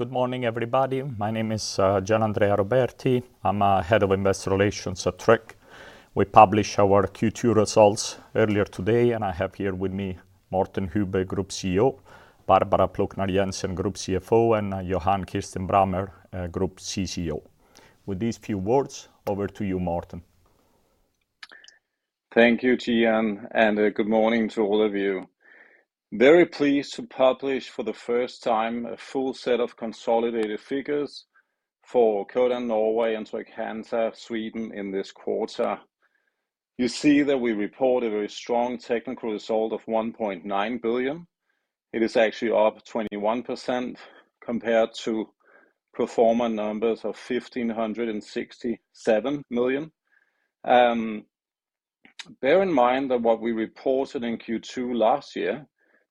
Good morning, everybody. My name is Gianandrea Roberti. I'm head of investor relations at Tryg. We published our Q2 results earlier today, and I have here with me Morten Hübbe, Group CEO, Barbara Plucnar Jensen, Group CFO, and Johan Kirstein Brammer, Group CCO. With these few words, over to you, Morten. Thank you, Gianandrea, and good morning to all of you. Very pleased to publish for the first time a full set of consolidated figures for Codan Norway and Tryg-Hansa Sweden in this quarter. You see that we report a very strong technical result of 1.9 billion. It is actually up 21% compared to pro forma numbers of 1,567 million. Bear in mind that what we reported in Q2 last year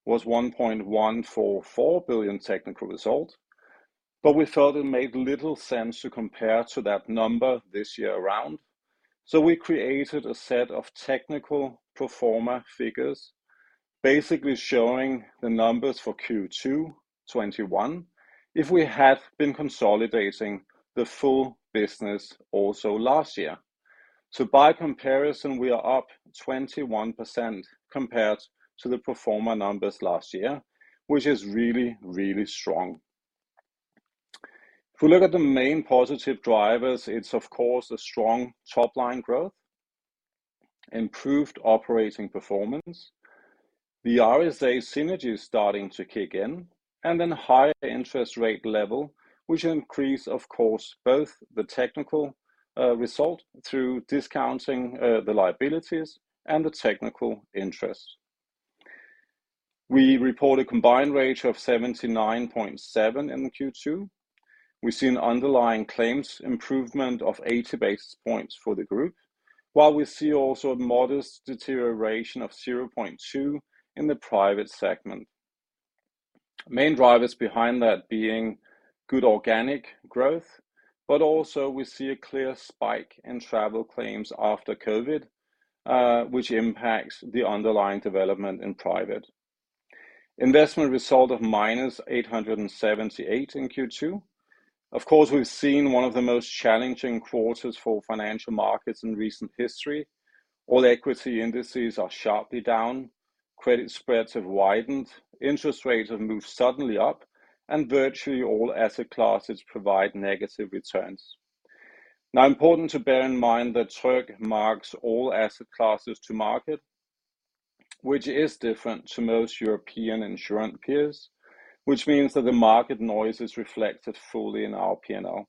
was 1.144 billion technical result, but we thought it made little sense to compare to that number this year around. We created a set of technical pro forma figures, basically showing the numbers for Q2 2021 if we had been consolidating the full business also last year. By comparison, we are up 21% compared to the pro forma numbers last year, which is really, really strong. If we look at the main positive drivers, it's of course a strong top-line growth, improved operating performance, the RSA synergies starting to kick in, and then higher interest rate level, which increase of course both the technical result through discounting the liabilities and the technical interest. We report a combined ratio of 79.7 in the Q2. We see an underlying claims improvement of 80 basis points for the group, while we see also a modest deterioration of 0.2 in the private segment. Main drivers behind that being good organic growth, but also we see a clear spike in travel claims after COVID, which impacts the underlying development in private. Investment result of -878 in Q2. Of course, we've seen one of the most challenging quarters for financial markets in recent history. All equity indices are sharply down, credit spreads have widened, interest rates have moved suddenly up, and virtually all asset classes provide negative returns. Now, important to bear in mind that Tryg marks all asset classes to market, which is different to most European insurance peers, which means that the market noise is reflected fully in our P&L.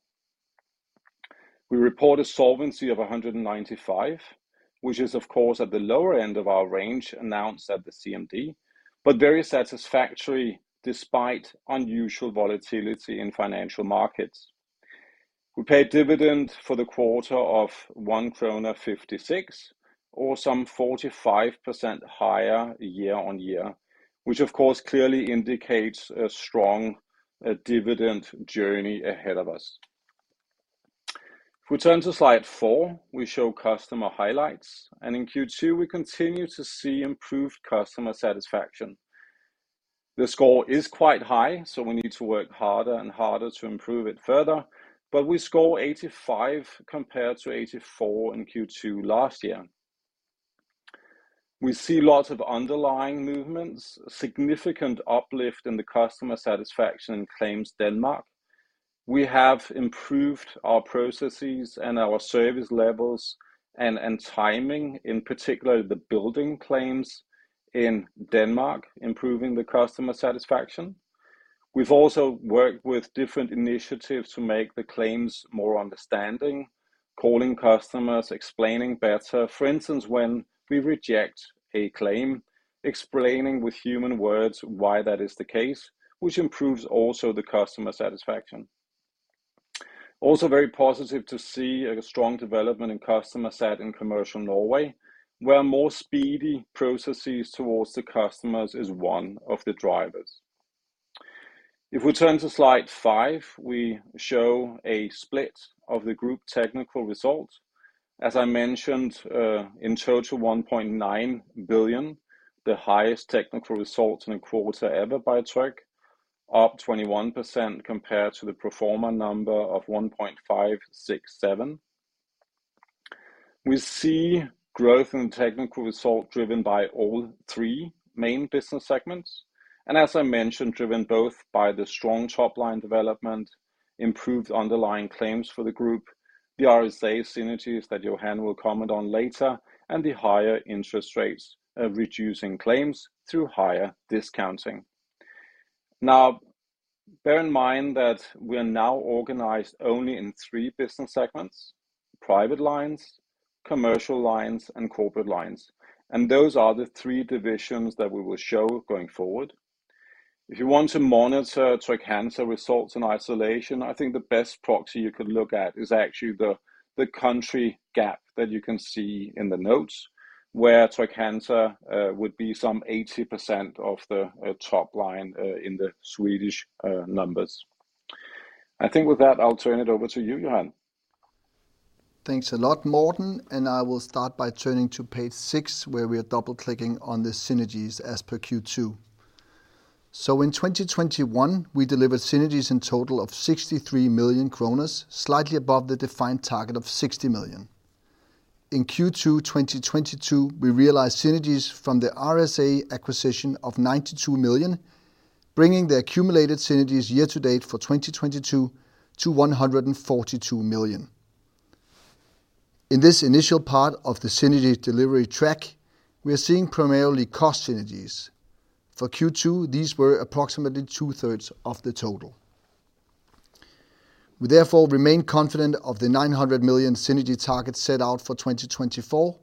We report a solvency of 195, which is of course at the lower end of our range announced at the CMD, but very satisfactory despite unusual volatility in financial markets. We paid dividend for the quarter of 1.56 krone or some 45% higher year-over-year, which of course clearly indicates a strong dividend journey ahead of us. If we turn to slide 4, we show customer highlights, and in Q2 we continue to see improved customer satisfaction. The score is quite high, so we need to work harder and harder to improve it further, but we score 85 compared to 84 in Q2 last year. We see lots of underlying movements, significant uplift in the customer satisfaction in Claims Denmark. We have improved our processes and our service levels and timing, in particular the building claims in Denmark, improving the customer satisfaction. We've also worked with different initiatives to make the claims more understanding, calling customers, explaining better. For instance, when we reject a claim, explaining with human words why that is the case, which improves also the customer satisfaction. Also very positive to see a strong development in customer sat in Commercial Norway, where more speedy processes towards the customers is one of the drivers. If we turn to slide 5, we show a split of the group technical results. As I mentioned, in total 1.9 billion, the highest technical results in a quarter ever by Tryg, up 21% compared to the pro forma number of 1.567 billion. We see growth in technical result driven by all three main business segments, and as I mentioned, driven both by the strong top-line development, improved underlying claims for the group, the RSA synergies that Johan will comment on later, and the higher interest rates, reducing claims through higher discounting. Now bear in mind that we are now organized only in three business segments, private lines, commercial lines, and corporate lines. Those are the three divisions that we will show going forward. If you want to monitor Trygg-Hansa results in isolation, I think the best proxy you could look at is actually the country gap that you can see in the notes, where Trygg-Hansa would be some 80% of the top line in the Swedish numbers. I think with that, I'll turn it over to you, Johan. Thanks a lot, Morten, and I will start by turning to page 6 where we are double-clicking on the synergies as per Q2. In 2021, we delivered synergies in total of 63 million kroner, slightly above the defined target of 60 million. In Q2 2022, we realized synergies from the RSA acquisition of 92 million, bringing the accumulated synergies year to date for 2022 to 142 million. In this initial part of the synergy delivery track, we are seeing primarily cost synergies. For Q2 these were approximately two-thirds of the total. We therefore remain confident of the 900 million synergy target set out for 2024,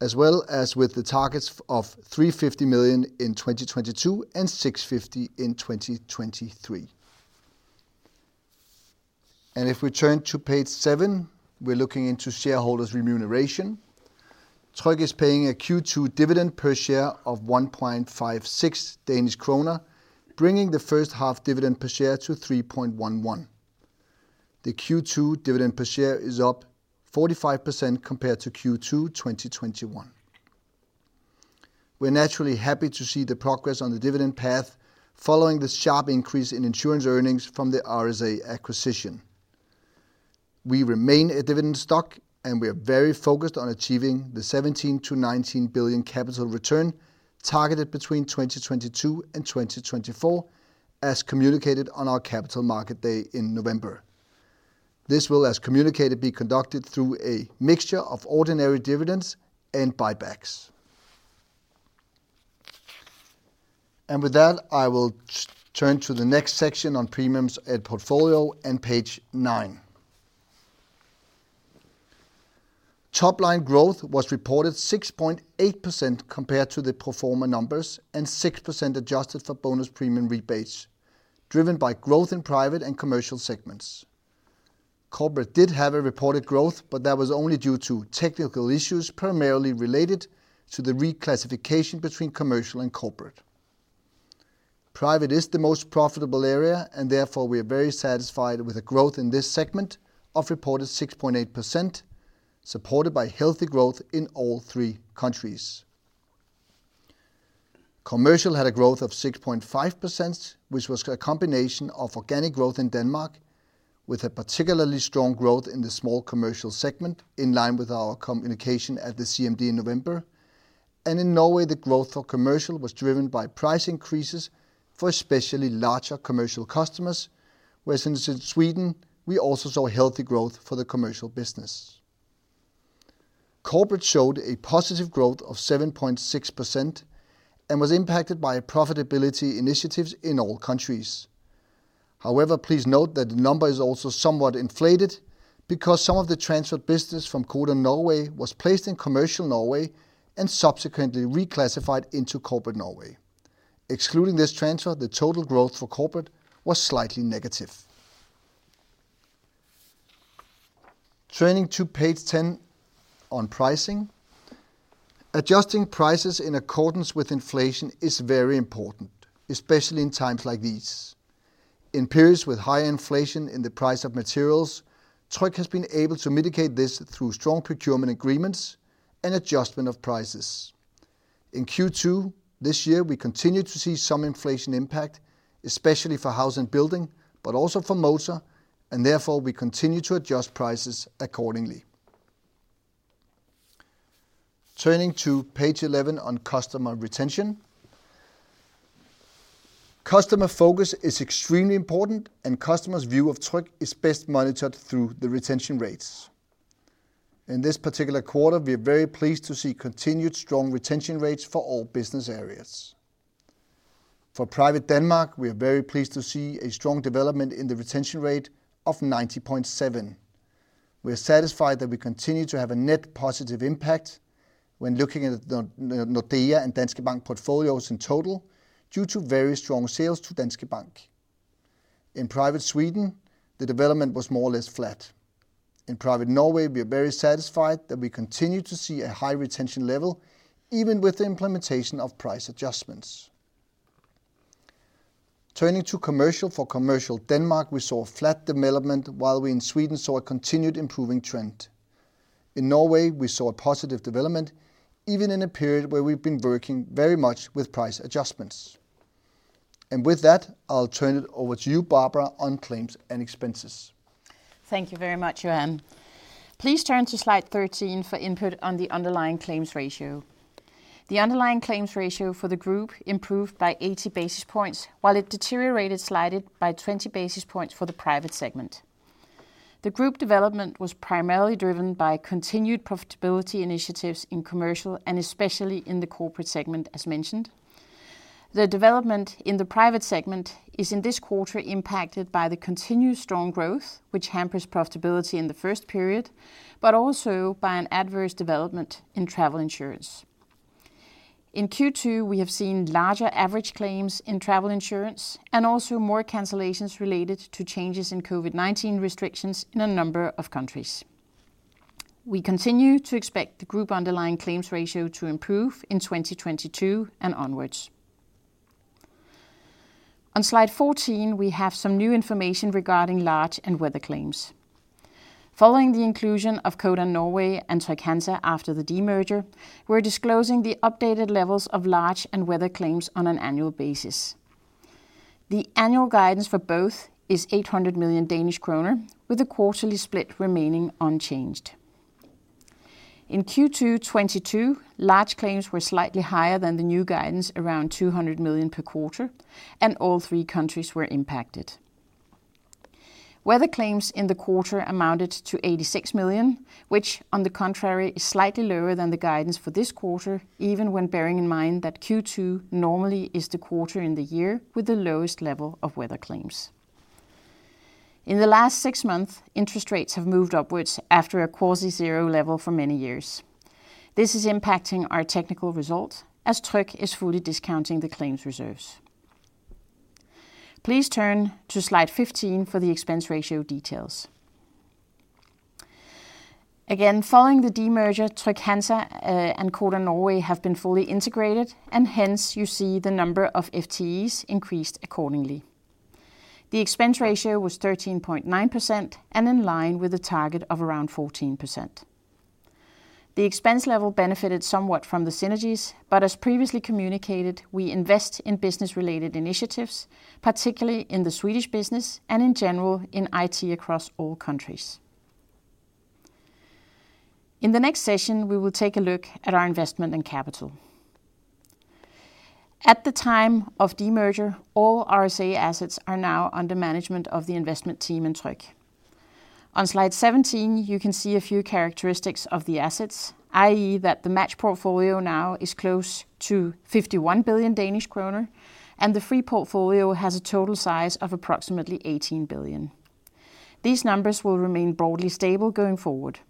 as well as with the targets of 350 million in 2022 and 650 million in 2023. If we turn to page 7, we're looking into shareholders remuneration. Tryg is paying a Q2 dividend per share of 1.56 Danish kroner, bringing the H1 dividend per share to 3.11. The Q2 dividend per share is up 45% compared to Q2 2021. We're naturally happy to see the progress on the dividend path following the sharp increase in insurance earnings from the RSA acquisition. We remain a dividend stock, and we are very focused on achieving the 17-19 billion capital return targeted between 2022 and 2024 as communicated on our Capital Markets Day in November. This will, as communicated, be conducted through a mixture of ordinary dividends and buybacks. With that, I will turn to the next section on premiums and portfolio in page 9. Top line growth was reported 6.8% compared to the pro forma numbers, and 6% adjusted for bonus premium rebates, driven by growth in private and commercial segments. Corporate did have a reported growth, but that was only due to technical issues primarily related to the reclassification between commercial and corporate. Private is the most profitable area and therefore we are very satisfied with the growth in this segment of reported 6.8%, supported by healthy growth in all three countries. Commercial had a growth of 6.5% which was a combination of organic growth in Denmark with a particularly strong growth in the small commercial segment in line with our communication at the CMD in November. In Norway the growth for commercial was driven by price increases for especially larger commercial customers, whereas in Sweden we also saw healthy growth for the commercial business. Corporate showed a positive growth of 7.6% and was impacted by profitability initiatives in all countries. However, please note that the number is also somewhat inflated because some of the transferred business from Codan Norway was placed in Commercial Norway and subsequently reclassified into Corporate Norway. Excluding this transfer, the total growth for corporate was slightly negative. Turning to page 10 on pricing. Adjusting prices in accordance with inflation is very important, especially in times like these. In periods with high inflation in the price of materials, Tryg has been able to mitigate this through strong procurement agreements and adjustment of prices. In Q2 this year, we continued to see some inflation impact, especially for house and building, but also for motor, and therefore we continue to adjust prices accordingly. Turning to page 11 on customer retention. Customer focus is extremely important, and customers' view of Tryg is best monitored through the retention rates. In this particular quarter, we are very pleased to see continued strong retention rates for all business areas. For Private Denmark, we are very pleased to see a strong development in the retention rate of 90.7%. We are satisfied that we continue to have a net positive impact when looking at the Nordea and Danske Bank portfolios in total due to very strong sales to Danske Bank. In Private Sweden, the development was more or less flat. In Private Norway, we are very satisfied that we continue to see a high retention level even with the implementation of price adjustments. Turning to Commercial. For Commercial Denmark, we saw a flat development while we in Sweden saw a continued improving trend. In Norway, we saw a positive development even in a period where we've been working very much with price adjustments. With that, I'll turn it over to you, Barbara, on claims and expenses. Thank you very much, Johan. Please turn to slide 13 for input on the underlying claims ratio. The underlying claims ratio for the group improved by 80 basis points while it deteriorated slightly by 20 basis points for the private segment. The group development was primarily driven by continued profitability initiatives in commercial and especially in the corporate segment as mentioned. The development in the private segment is in this quarter impacted by the continued strong growth which hampers profitability in the first period, but also by an adverse development in travel insurance. In Q2, we have seen larger average claims in travel insurance and also more cancellations related to changes in COVID-19 restrictions in a number of countries. We continue to expect the group underlying claims ratio to improve in 2022 and onwards. On slide 14, we have some new information regarding large and weather claims. Following the inclusion of Codan Norway and Trygg-Hansa after the demerger, we're disclosing the updated levels of large and weather claims on an annual basis. The annual guidance for both is 800 million Danish kroner, with a quarterly split remaining unchanged. In Q2 2022, large claims were slightly higher than the new guidance, around 200 million per quarter, and all three countries were impacted. Weather claims in the quarter amounted to 86 million, which on the contrary, is slightly lower than the guidance for this quarter, even when bearing in mind that Q2 normally is the quarter in the year with the lowest level of weather claims. In the last six months, interest rates have moved upwards after a quasi-zero level for many years. This is impacting our technical results as Tryg is fully discounting the claims reserves. Please turn to slide 15 for the expense ratio details. Again, following the demerger, Tryg-Hansa and Codan Norway have been fully integrated and hence you see the number of FTEs increased accordingly. The expense ratio was 13.9% and in line with the target of around 14%. The expense level benefited somewhat from the synergies, but as previously communicated, we invest in business-related initiatives, particularly in the Swedish business and in general in IT across all countries. In the next session, we will take a look at our investment and capital. At the time of demerger, all RSA assets are now under management of the investment team in Tryg. On slide 17, you can see a few characteristics of the assets, i.e. that the match portfolio now is close to 51 billion Danish kroner, and the free portfolio has a total size of approximately 18 billion. These numbers will remain broadly stable going forward.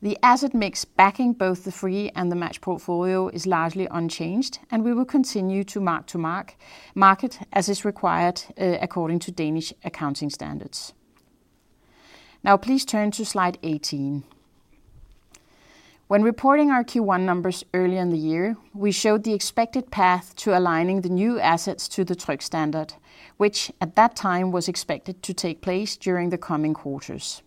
The asset mix backing both the free and the match portfolio is largely unchanged, and we will continue to mark-to-market as is required, according to Danish accounting standards. Now please turn to slide 18. When reporting our Q1 numbers earlier in the year, we showed the expected path to aligning the new assets to the Tryg standard, which at that time was expected to take place during the coming quarters.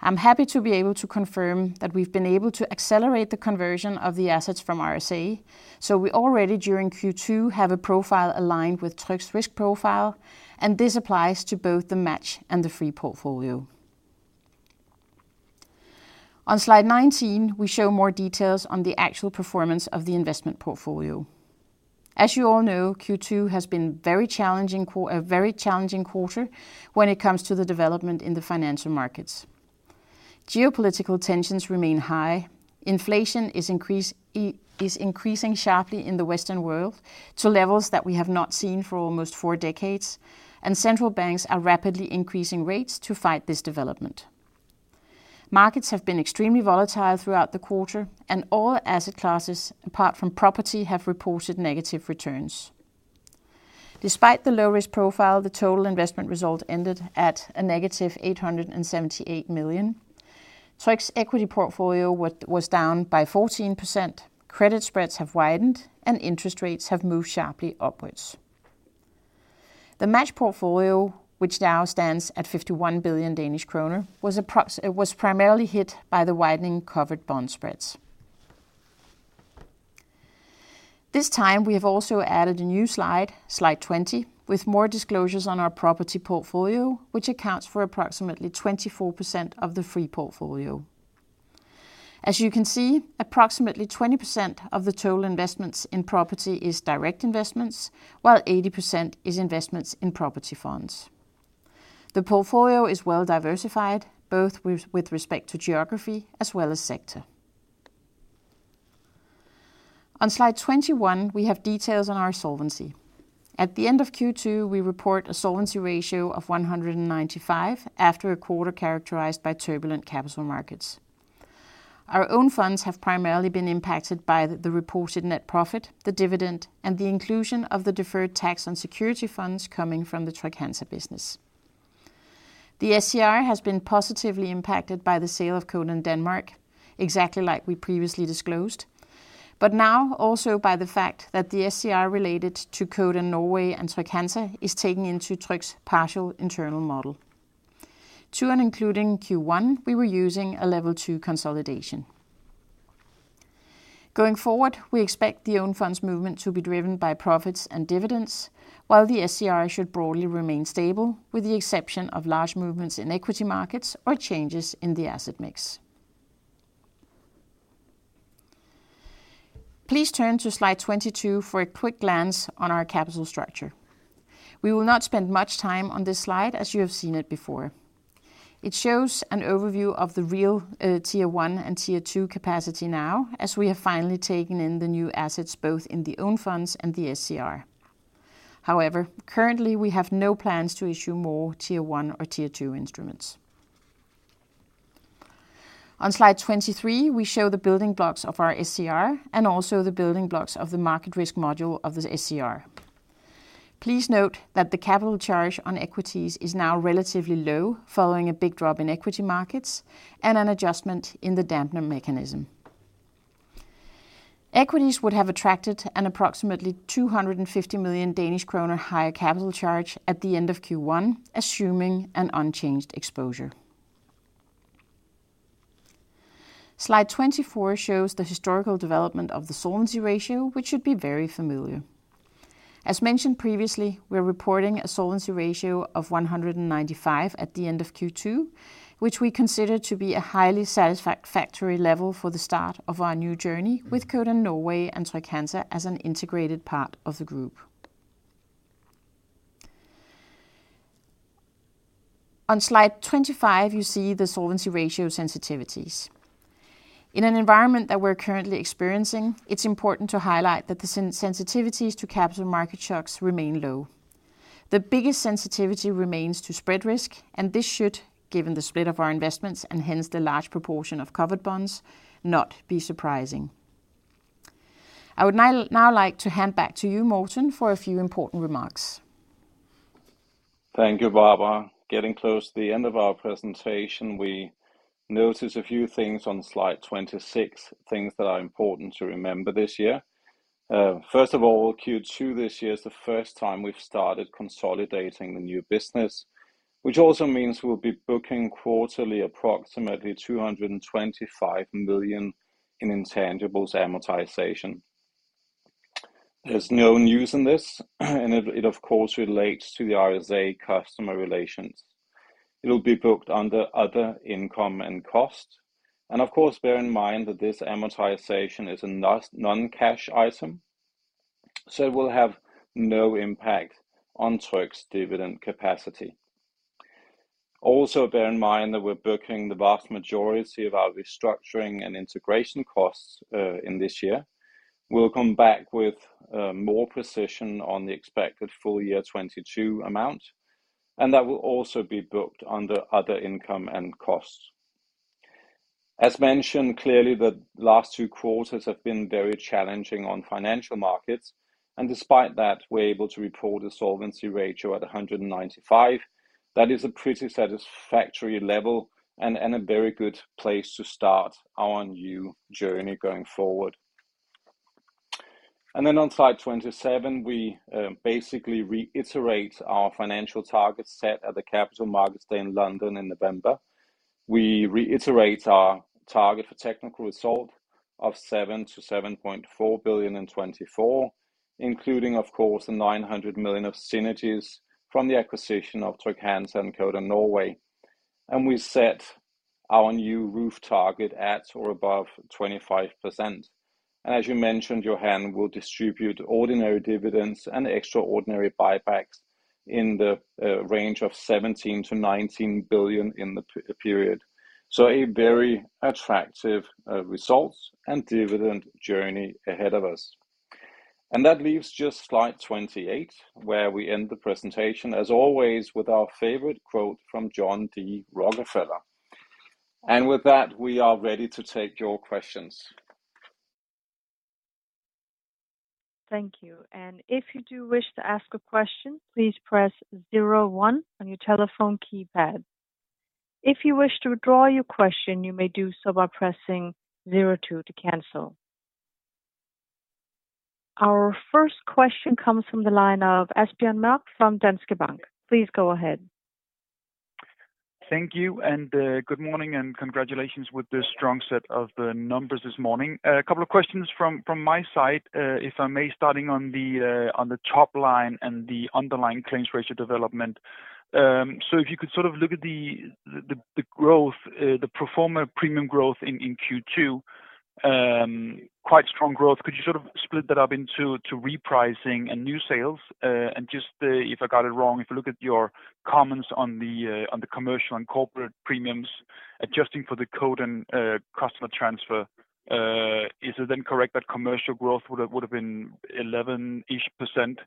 I'm happy to be able to confirm that we've been able to accelerate the conversion of the assets from RSA. We already during Q2 have a profile aligned with Tryg's risk profile, and this applies to both the match and the free portfolio. On slide 19, we show more details on the actual performance of the investment portfolio. As you all know, Q2 has been a very challenging quarter when it comes to the development in the financial markets. Geopolitical tensions remain high. Inflation is increasing sharply in the Western world to levels that we have not seen for almost four decades, and central banks are rapidly increasing rates to fight this development. Markets have been extremely volatile throughout the quarter, and all asset classes, apart from property, have reported negative returns. Despite the low risk profile, the total investment result ended at a negative 878 million. Tryg's equity portfolio was down by 14%. Credit spreads have widened, and interest rates have moved sharply upwards. The match portfolio, which now stands at 51 billion Danish kroner, was primarily hit by the widening covered bond spreads. This time we have also added a new slide 20, with more disclosures on our property portfolio, which accounts for approximately 24% of the free portfolio. As you can see, approximately 20% of the total investments in property is direct investments, while 80% is investments in property funds. The portfolio is well diversified, both with respect to geography as well as sector. On slide 21, we have details on our solvency. At the end of Q2, we report a solvency ratio of 195 after a quarter characterized by turbulent capital markets. Our own funds have primarily been impacted by the reported net profit, the dividend, and the inclusion of the deferred tax on security funds coming from the Tryg-Hansa business. The SCR has been positively impacted by the sale of Codan Denmark, exactly like we previously disclosed, but now also by the fact that the SCR related to Codan Norway and Tryg-Hansa is taken into Tryg's partial internal model. To and including Q1, we were using a level two consolidation. Going forward, we expect the own funds movement to be driven by profits and dividends, while the SCR should broadly remain stable, with the exception of large movements in equity markets or changes in the asset mix. Please turn to slide 22 for a quick glance on our capital structure. We will not spend much time on this slide as you have seen it before. It shows an overview of the real Tier 1 and Tier 2 capacity now, as we have finally taken in the new assets both in the own funds and the SCR. However, currently we have no plans to issue more Tier 1 or Tier 2 instruments. On slide 23, we show the building blocks of our SCR and also the building blocks of the market risk module of the SCR. Please note that the capital charge on equities is now relatively low following a big drop in equity markets and an adjustment in the dampener mechanism. Equities would have attracted an approximately 250 million Danish kroner higher capital charge at the end of Q1, assuming an unchanged exposure. Slide 24 shows the historical development of the solvency ratio, which should be very familiar. As mentioned previously, we're reporting a solvency ratio of 195% at the end of Q2, which we consider to be a highly satisfactory level for the start of our new journey with Codan Norway and Tryg-Hansa as an integrated part of the group. On slide 25, you see the solvency ratio sensitivities. In an environment that we're currently experiencing, it's important to highlight that the sensitivities to capital market shocks remain low. The biggest sensitivity remains to spread risk, and this should, given the split of our investments and hence the large proportion of covered bonds, not be surprising. I would now like to hand back to you, Morten, for a few important remarks. Thank you, Barbara. Getting close to the end of our presentation, we notice a few things on slide 26, things that are important to remember this year. First of all, Q2 this year is the first time we've started consolidating the new business, which also means we'll be booking quarterly approximately 225 million in intangibles amortization. There's no news in this, and it of course relates to the RSA customer relations. It'll be booked under other income and cost. Of course, bear in mind that this amortization is a non-cash item, so it will have no impact on Tryg's dividend capacity. Also, bear in mind that we're booking the vast majority of our restructuring and integration costs in this year. We'll come back with more precision on the expected full year 2022 amount, and that will also be booked under other income and costs. As mentioned, clearly the last two quarters have been very challenging on financial markets, and despite that, we're able to report a solvency ratio at 195. That is a pretty satisfactory level and a very good place to start our new journey going forward. Then on slide 27, we basically reiterate our financial targets set at the Capital Markets Day in London in November. We reiterate our target for technical result of 7 billion-7.4 billion in 2024, including, of course, the 900 million of synergies from the acquisition of Tryg-Hansa and Codan Norway. We set our new ROE target at or above 25%. As you mentioned, Johan will distribute ordinary dividends and extraordinary buybacks in the range of 17-19 billion in the three-year period. A very attractive results and dividend journey ahead of us. That leaves just slide 28, where we end the presentation, as always, with our favorite quote from John D. Rockefeller. With that, we are ready to take your questions. Thank you. If you do wish to ask a question, please press zero one on your telephone keypad. If you wish to withdraw your question, you may do so by pressing zero two to cancel. Our first question comes from the line of Asbjørn Mørk from Danske Bank. Please go ahead. Thank you, and good morning, and congratulations with the strong set of the numbers this morning. A couple of questions from my side, if I may, starting on the top line and the underlying claims ratio development. If you could sort of look at the growth, the pro forma premium growth in Q2, quite strong growth. Could you sort of split that up into repricing and new sales? If I got it wrong, if you look at your comments on the commercial and corporate premiums, adjusting for the Codan customer transfer, is it then correct that commercial growth would have been 11-ish%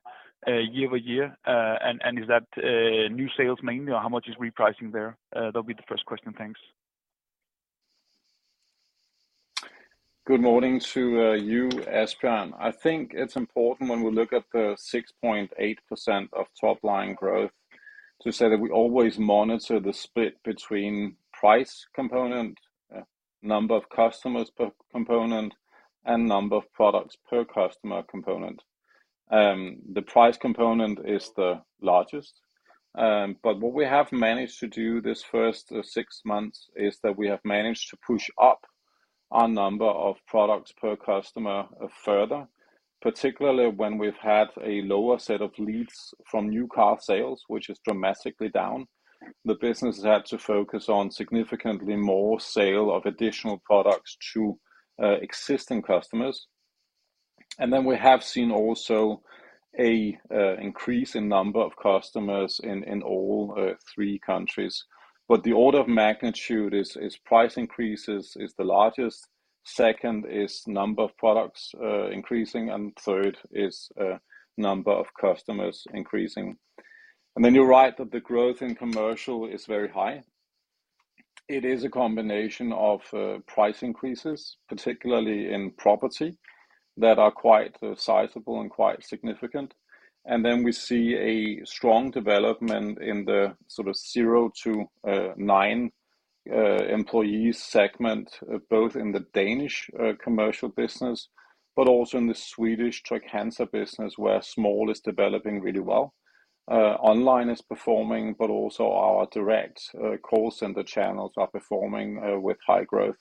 year-over-year? Is that new sales mainly, or how much is repricing there? That'll be the first question. Thanks. Good morning to you, Asbjørn Mørk. I think it's important when we look at the 6.8% of top line growth to say that we always monitor the split between price component, number of customers per component, and number of products per customer component. The price component is the largest. But what we have managed to do this first six months is that we have managed to push up our number of products per customer further, particularly when we've had a lower set of leads from new car sales, which is dramatically down. The business has had to focus on significantly more sale of additional products to existing customers. Then we have seen also an increase in number of customers in all three countries. The order of magnitude is price increases is the largest, second is number of products increasing, and third is number of customers increasing. You're right that the growth in commercial is very high. It is a combination of price increases, particularly in property. That are quite sizable and quite significant. We see a strong development in the sort of zero-nine employee segment, both in the Danish commercial business, but also in the Swedish Trygg-Hansa business, where small is developing really well. Online is performing, but also our direct call center channels are performing with high growth.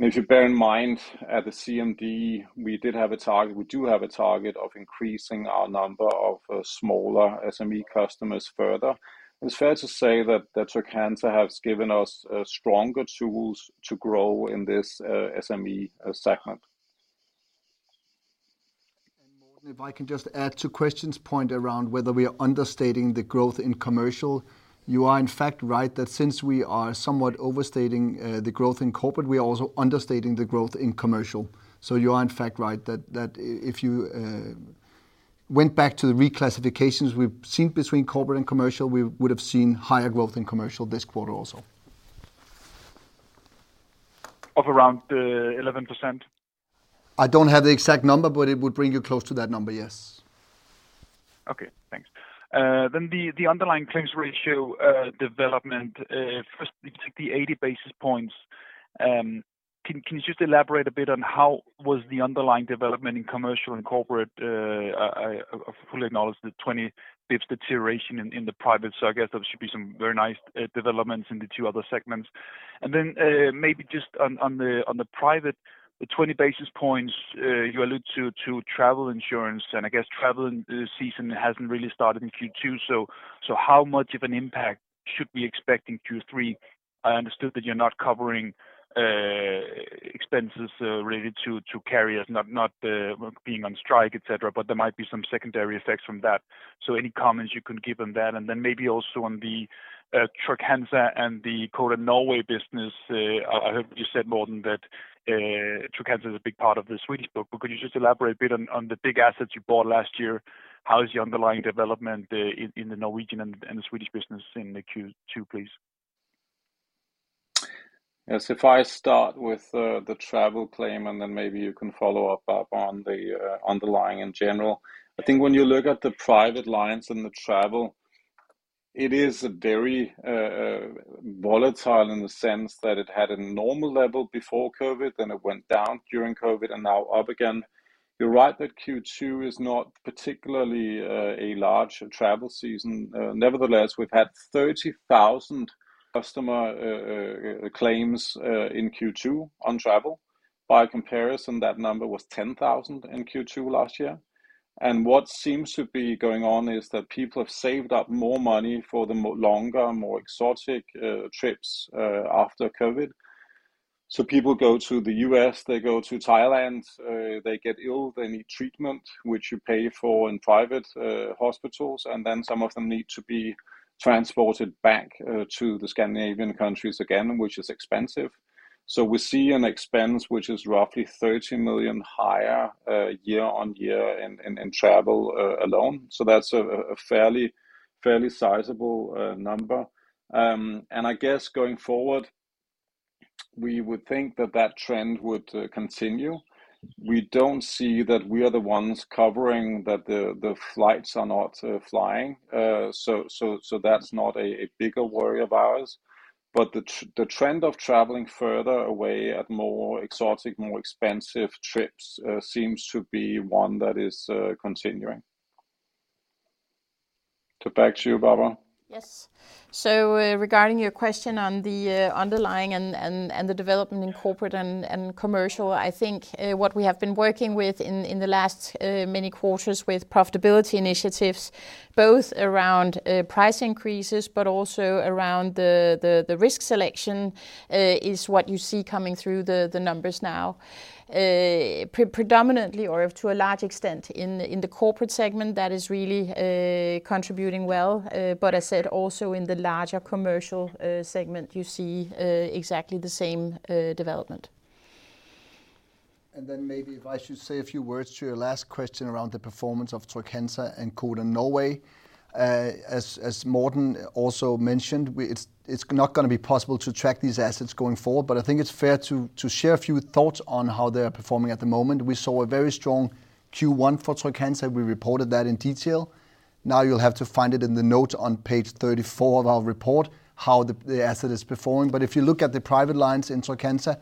If you bear in mind at the CMD, we did have a target. We do have a target of increasing our number of smaller SME customers further. It's fair to say that Trygg-Hansa has given us stronger tools to grow in this SME segment. Morten, if I can just add to question's point around whether we are understating the growth in commercial. You are in fact right that since we are somewhat overstating the growth in corporate, we are also understating the growth in commercial. You are in fact right that if you went back to the reclassifications we've seen between corporate and commercial, we would've seen higher growth in commercial this quarter also. Of around 11%? I don't have the exact number, but it would bring you close to that number, yes. Okay, thanks. Then the underlying claims ratio development, first you took the 80 basis points. Can you just elaborate a bit on how was the underlying development in commercial and corporate? I fully acknowledge the 20 basis points deterioration in the private, so I guess there should be some very nice developments in the two other segments. Then, maybe just on the private, the 20 basis points you allude to travel insurance, and I guess travel season hasn't really started in Q2. So how much of an impact should we expect in Q3? I understood that you're not covering expenses related to carriers not being on strike, et cetera, but there might be some secondary effects from that. Any comments you can give on that? Maybe also on the Trygg-Hansa and the Codan Norway business. I heard you said, Morten, that Trygg-Hansa is a big part of the Swedish book. Could you just elaborate a bit on the big assets you bought last year? How is the underlying development in the Norwegian and the Swedish business in the Q2, please? Yes, if I start with the travel claim, and then maybe you can follow up on the underlying in general. I think when you look at the private lines and the travel, it is very volatile in the sense that it had a normal level before COVID, then it went down during COVID and now up again. You're right that Q2 is not particularly a large travel season. Nevertheless, we've had 30,000 customer claims in Q2 on travel. By comparison, that number was 10,000 in Q2 last year. What seems to be going on is that people have saved up more money for the longer, more exotic trips after COVID. People go to the U.S., they go to Thailand, they get ill, they need treatment, which you pay for in private hospitals, and then some of them need to be transported back to the Scandinavian countries again, which is expensive. We see an expense which is roughly 30 million higher year-on-year in travel alone. That's a fairly sizable number. I guess going forward, we would think that that trend would continue. We don't see that we are the ones covering that the flights are not flying. That's not a bigger worry of ours. The trend of traveling further away at more exotic, more expensive trips seems to be one that is continuing. Back to you, Barbara. Yes. Regarding your question on the underlying and the development in corporate and commercial. I think what we have been working with in the last many quarters with profitability initiatives, both around price increases, but also around the risk selection, is what you see coming through the numbers now. Predominantly or to a large extent in the corporate segment that is really contributing well. But I said also in the larger commercial segment, you see exactly the same development. Maybe if I should say a few words to your last question around the performance of Trygg-Hansa and Codan Norway. As Morten also mentioned, it's not gonna be possible to track these assets going forward, but I think it's fair to share a few thoughts on how they are performing at the moment. We saw a very strong Q1 for Trygg-Hansa. We reported that in detail. Now you'll have to find it in the notes on page 34 of our report, how the asset is performing. But if you look at the private lines in Trygg-Hansa,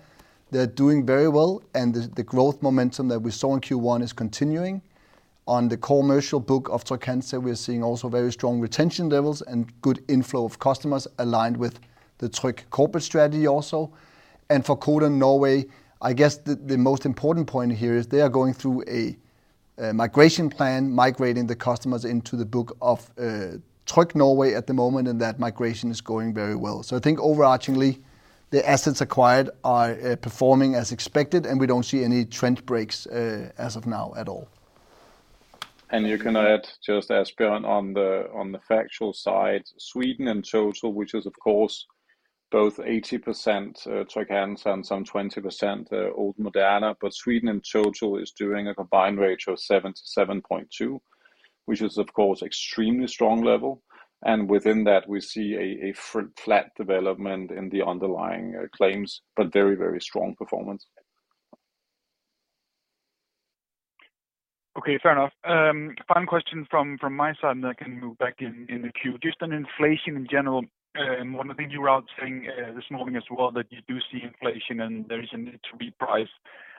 they're doing very well, and the growth momentum that we saw in Q1 is continuing. On the commercial book of Trygg-Hansa, we are seeing also very strong retention levels and good inflow of customers aligned with the Tryg corporate strategy also. For Codan Norway, I guess the most important point here is they are going through a migration plan, migrating the customers into the book of Tryg Norway at the moment, and that migration is going very well. I think overarchingly the assets acquired are performing as expected, and we don't see any trend breaks as of now at all. You can add just as Bjørn on the factual side, Sweden in total, which is of course both 80% Trygg-Hansa and some 20% old Moderna, but Sweden in total is doing a combined ratio of 7%-7.2%. Which is of course extremely strong level, and within that we see a flat development in the underlying claims, but very, very strong performance. Okay, fair enough. Final question from my side then I can move back in the queue. Just on inflation in general, one of the things you were outlining this morning as well that you do see inflation and there is a need to reprice.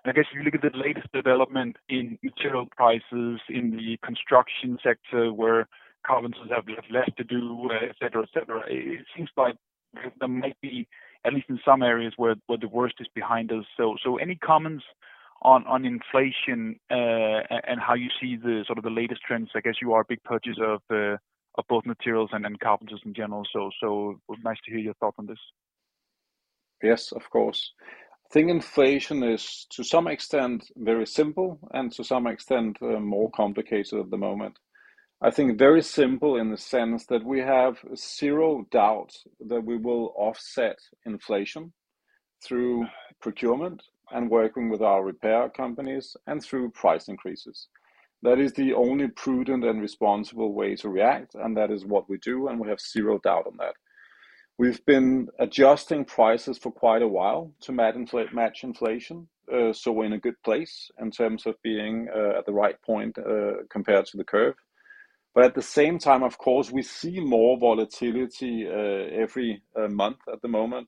I guess if you look at the latest development in material prices in the construction sector where carpenters have less to do, et cetera, et cetera. It seems like there might be at least in some areas where the worst is behind us. Any comments on inflation and how you see sort of the latest trends? I guess you are a big purchaser of both materials and then carpenters in general, so it would be nice to hear your thoughts on this. Yes, of course. I think inflation is to some extent very simple and to some extent more complicated at the moment. I think very simple in the sense that we have zero doubt that we will offset inflation through procurement and working with our repair companies and through price increases. That is the only prudent and responsible way to react, and that is what we do, and we have zero doubt on that. We've been adjusting prices for quite a while to match inflation, so we're in a good place in terms of being at the right point compared to the curve. At the same time, of course, we see more volatility every month at the moment.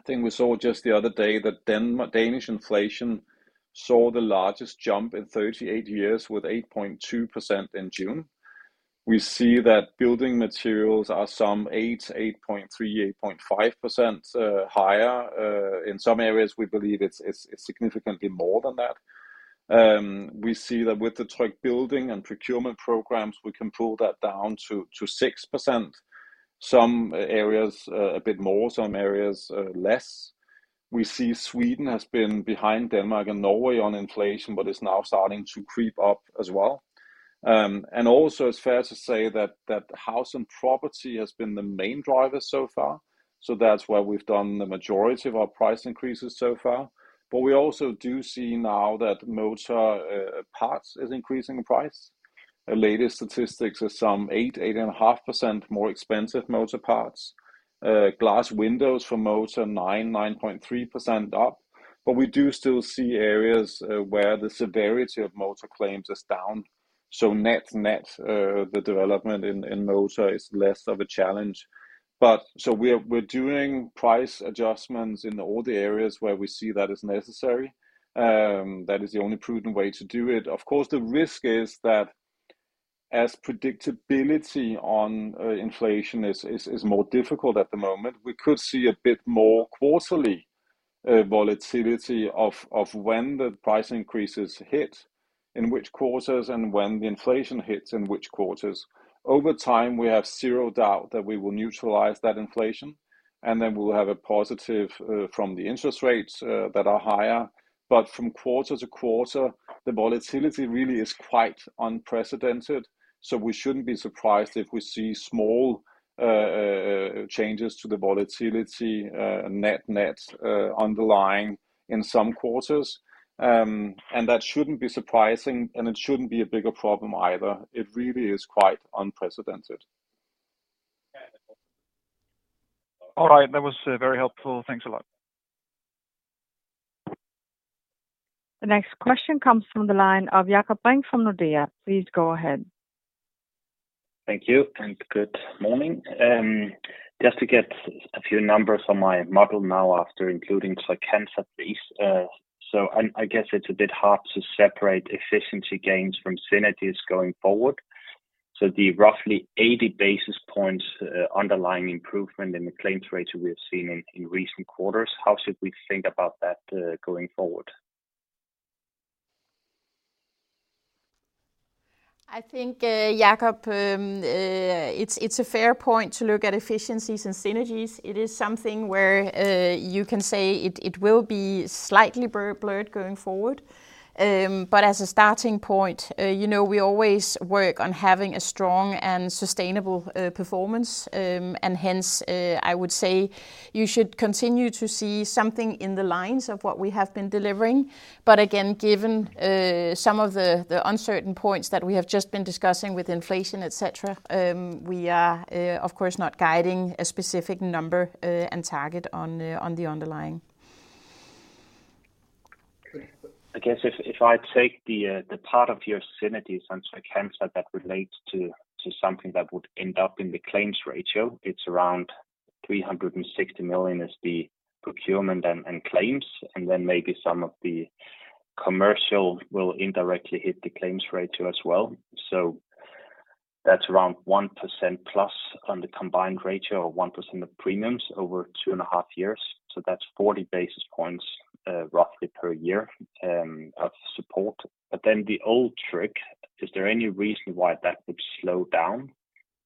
I think we saw just the other day that Danish inflation saw the largest jump in 38 years with 8.2% in June. We see that building materials are some 8%-8.3%, 8.5% higher. In some areas we believe it's significantly more than that. We see that with the Tryg building and procurement programs, we can pull that down to 6%. Some areas a bit more, some areas less. We see Sweden has been behind Denmark and Norway on inflation, but it's now starting to creep up as well. Also it's fair to say that house and property has been the main driver so far. That's why we've done the majority of our price increases so far. We also do see now that motor parts is increasing in price. The latest statistics are some 8.5% more expensive motor parts. Glass windows for motor 9.3% up. We do still see areas where the severity of motor claims is down. Net-net, the development in motor is less of a challenge. We're doing price adjustments in all the areas where we see that is necessary. That is the only prudent way to do it. Of course, the risk is that as predictability on inflation is more difficult at the moment, we could see a bit more quarterly volatility of when the price increases hit, in which quarters and when the inflation hits in which quarters. Over time, we have zero doubt that we will neutralize that inflation, and then we'll have a positive from the interest rates that are higher. From quarter-to-quarter, the volatility really is quite unprecedented. We shouldn't be surprised if we see small changes to the volatility net-net underlying in some quarters. That shouldn't be surprising, and it shouldn't be a bigger problem either. It really is quite unprecedented. All right. That was very helpful. Thanks a lot. The next question comes from the line of Jakob Brink from Nordea. Please go ahead. Thank you and good morning. Just to get a few numbers on my model now after including Tryg-Hansa, please. I guess it's a bit hard to separate efficiency gains from synergies going forward. The roughly 80 basis points underlying improvement in the claims ratio we have seen in recent quarters, how should we think about that going forward? I think, Jakob, it's a fair point to look at efficiencies and synergies. It is something where you can say it will be slightly blurred going forward. As a starting point, you know, we always work on having a strong and sustainable performance. Hence, I would say you should continue to see something in the lines of what we have been delivering. Again, given some of the uncertain points that we have just been discussing with inflation, et cetera, we are, of course, not guiding a specific number and target on the underlying. I guess if I take the part of your synergies on Tryg-Hansa that relates to something that would end up in the claims ratio, it's around 360 million is the procurement and claims, and then maybe some of the commercial will indirectly hit the claims ratio as well. That's around 1%+ on the combined ratio or 1% of premiums over two and a half years. That's 40 basis points roughly per year of support. The old trick, is there any reason why that would slow down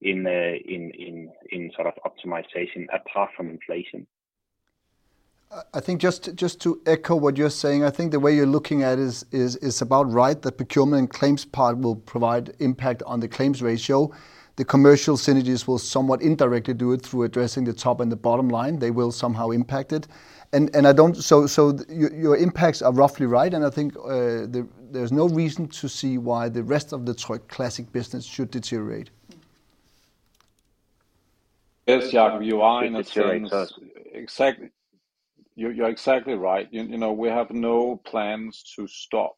in sort of optimization apart from inflation? I think just to echo what you're saying, I think the way you're looking at it is about right. The procurement and claims part will provide impact on the claims ratio. The commercial synergies will somewhat indirectly do it through addressing the top and the bottom line. They will somehow impact it. Your impacts are roughly right, and I think, there's no reason to see why the rest of the Tryg Classic business should deteriorate. Yes, Jakob Brink, you are in a sense. It's very exciting. Exactly. You're exactly right. You know, we have no plans to stop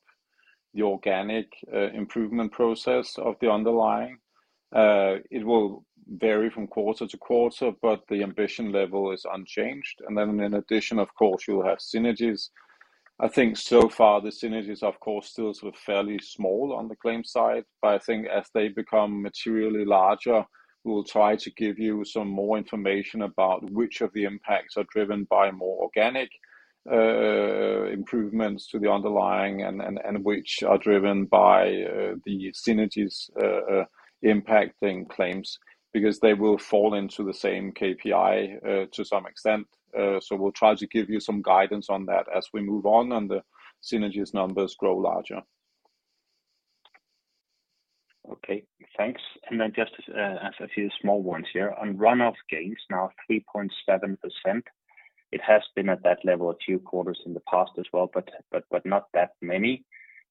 the organic improvement process of the underlying. It will vary from quarter-to-quarter, but the ambition level is unchanged. In addition, of course, you'll have synergies. I think so far the synergies, of course, still sort of fairly small on the claims side. But I think as they become materially larger, we will try to give you some more information about which of the impacts are driven by more organic improvements to the underlying and which are driven by the synergies impacting claims because they will fall into the same KPI to some extent. We'll try to give you some guidance on that as we move on and the synergies numbers grow larger. Okay, thanks. Then just a few small ones here. On runoff gains now 3.7%, it has been at that level a few quarters in the past as well, but not that many.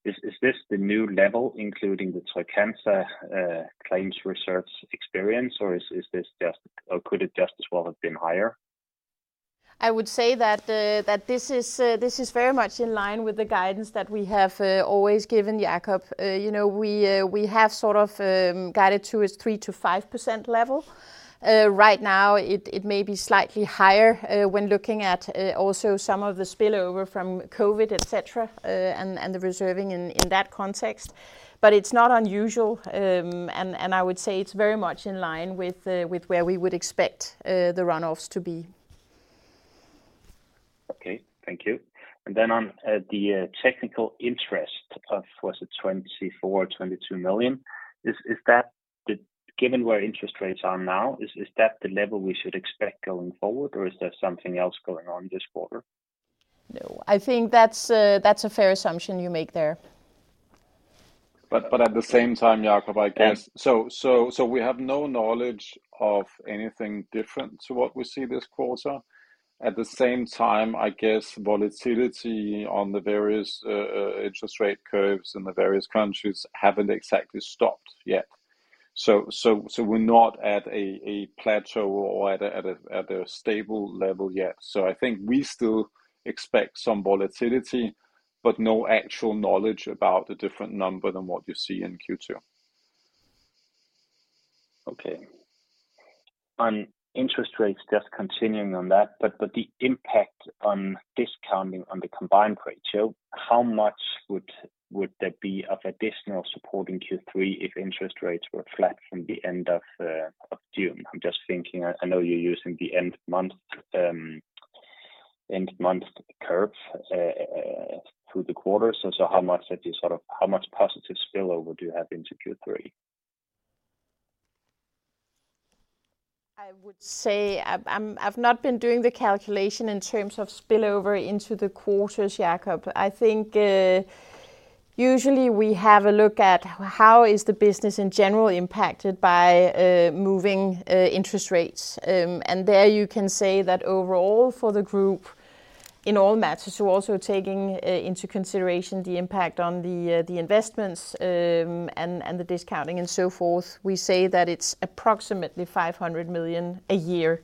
Is this the new level including the Trygg-Hansa claims reserving experience or is this just or could it just as well have been higher? I would say that this is very much in line with the guidance that we have always given you, Jakob. You know, we have sort of guided to a 3%-5% level. Right now it may be slightly higher when looking at also some of the spillover from COVID, etcetera, and the reserving in that context. It's not unusual, and I would say it's very much in line with where we would expect the runoffs to be. Okay, thank you. On the technical interest. Was it 24 million or 22 million? Is that the level given where interest rates are now? Is that the level we should expect going forward, or is there something else going on this quarter? No. I think that's a fair assumption you make there. At the same time, Jacob, I guess. Yeah. We have no knowledge of anything different to what we see this quarter. At the same time, I guess volatility on the various interest rate curves in the various countries haven't exactly stopped yet. We're not at a plateau or at a stable level yet. I think we still expect some volatility, but no actual knowledge about the different number than what you see in Q2. Okay. On interest rates, just continuing on that, but the impact on discounting on the combined ratio, how much would there be of additional support in Q3 if interest rates were flat from the end of June? I'm just thinking, I know you're using the end-month curve through the quarter. So, how much positive spillover do you have into Q3? I would say I'm. I've not been doing the calculation in terms of spillover into the quarters, Jakob. I think usually we have a look at how is the business in general impacted by moving interest rates. And there you can say that overall for the group in all matters, so also taking into consideration the impact on the investments and the discounting and so forth, we say that it's approximately 500 million a year.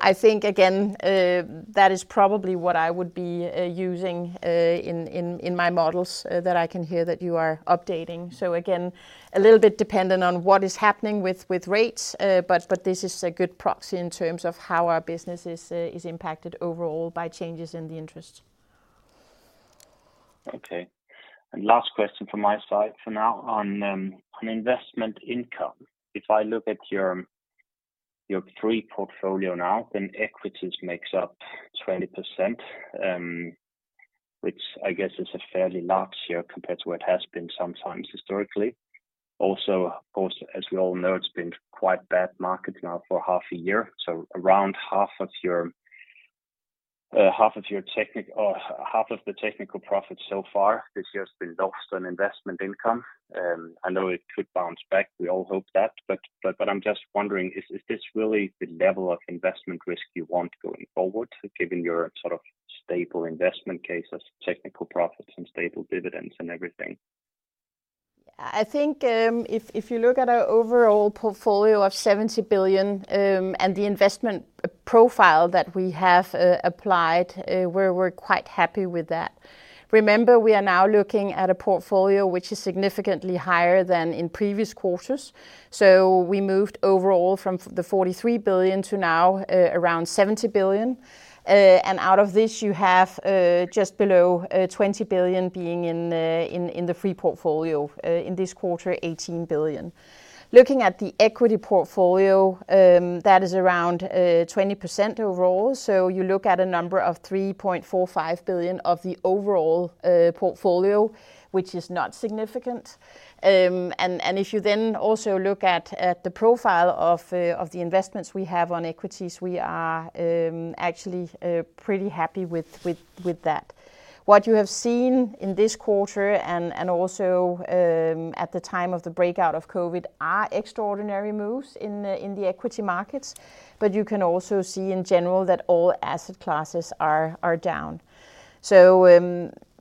I think again that is probably what I would be using in my models that I can hear that you are updating. Again, a little bit dependent on what is happening with rates. This is a good proxy in terms of how our business is impacted overall by changes in the interest. Okay. Last question from my side for now on investment income. If I look at your free portfolio now, then equities makes up 20%, which I guess is a fairly large share compared to what it has been sometimes historically. Also, of course, as we all know, it's been quite bad market now for half a year. Around half of your technical profit so far this year has been lost on investment income. I know it could bounce back. We all hope that, but I'm just wondering, is this really the level of investment risk you want going forward, given your sort of stable investment cases, technical profits and stable dividends and everything? Yeah. I think if you look at our overall portfolio of 70 billion and the investment profile that we have applied, we're quite happy with that. Remember, we are now looking at a portfolio which is significantly higher than in previous quarters. We moved overall from the 43 billion to now around 70 billion. And out of this you have just below 20 billion being in the free portfolio, in this quarter 18 billion. Looking at the equity portfolio, that is around 20% overall. So you look at a number of 3.45 billion of the overall portfolio, which is not significant. If you then also look at the profile of the investments we have on equities, we are actually pretty happy with that. What you have seen in this quarter and also at the time of the breakout of COVID are extraordinary moves in the equity markets. You can also see in general that all asset classes are down.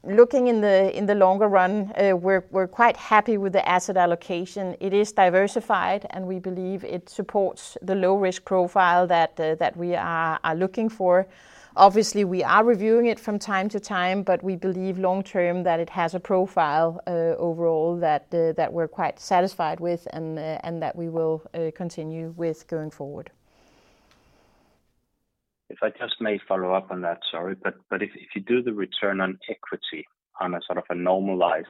Looking in the longer run, we're quite happy with the asset allocation. It is diversified, and we believe it supports the low risk profile that we are looking for. Obviously, we are reviewing it from time to time, but we believe long term that it has a profile overall that we're quite satisfied with and that we will continue with going forward. If I just may follow up on that. Sorry. If you do the return on equity on a sort of a normalized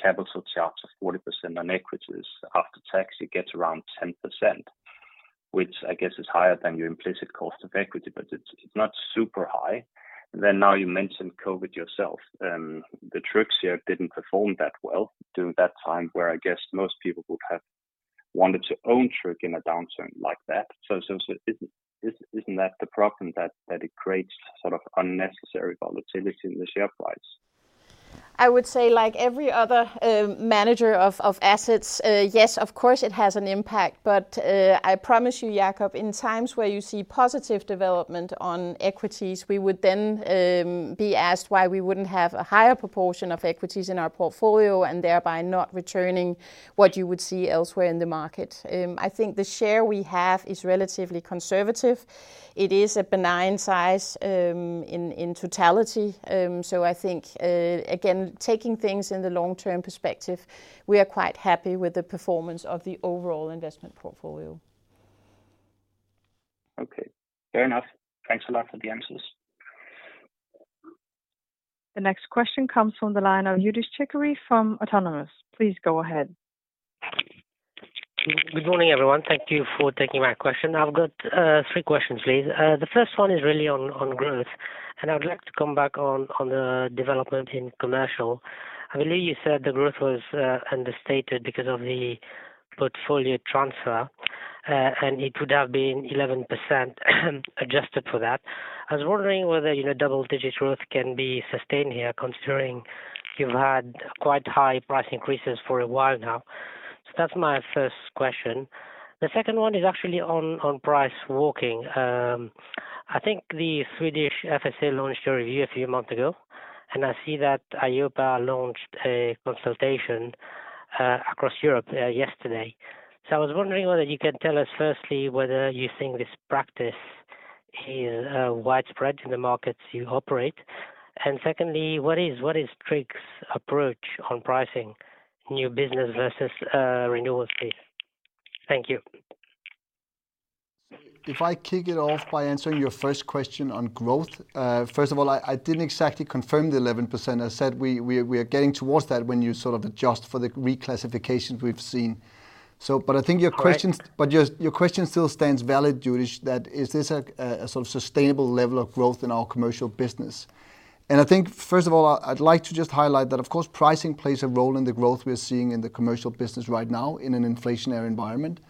capital charge of 40% on equities after tax it gets around 10%, which I guess is higher than your implicit cost of equity, but it's not super high. Now you mentioned COVID yourself. The Tryg here didn't perform that well during that time where I guess most people would have wanted to own Tryg in a downturn like that. Isn't that the problem that it creates sort of unnecessary volatility in the share price? I would say like every other manager of assets, yes, of course it has an impact. I promise you, Jakob, in times where you see positive development on equities, we would then be asked why we wouldn't have a higher proportion of equities in our portfolio and thereby not returning what you would see elsewhere in the market. I think the share we have is relatively conservative. It is a benign size in totality. I think, again, taking things in the long-term perspective, we are quite happy with the performance of the overall investment portfolio. Okay. Fair enough. Thanks a lot for the answers. The next question comes from the line of Youdish Chicooree from Autonomous. Please go ahead. Good morning, everyone. Thank you for taking my question. I've got three questions, please. The first one is really on growth, and I'd like to come back on the development in commercial. I believe you said the growth was understated because of the portfolio transfer, and it would have been 11% adjusted for that. I was wondering whether, you know, double-digit growth can be sustained here considering you've had quite high price increases for a while now. That's my first question. The second one is actually on price walking. I think the Swedish FSA launched a review a few months ago, and I see that EIOPA launched a consultation across Europe yesterday. So I was wondering whether you can tell us, firstly, whether you think this practice is widespread in the markets you operate? Secondly, what is Tryg's approach on pricing new business versus renewal fees? Thank you. If I kick it off by answering your first question on growth. First of all, I didn't exactly confirm the 11%. I said we are getting towards that when you sort of adjust for the reclassifications we've seen. I think your question- All right. Your question still stands valid, Yudish. That is this a sort of sustainable level of growth in our commercial business? I think, first of all, I'd like to just highlight that of course, pricing plays a role in the growth we're seeing in the commercial business right now in an inflationary environment.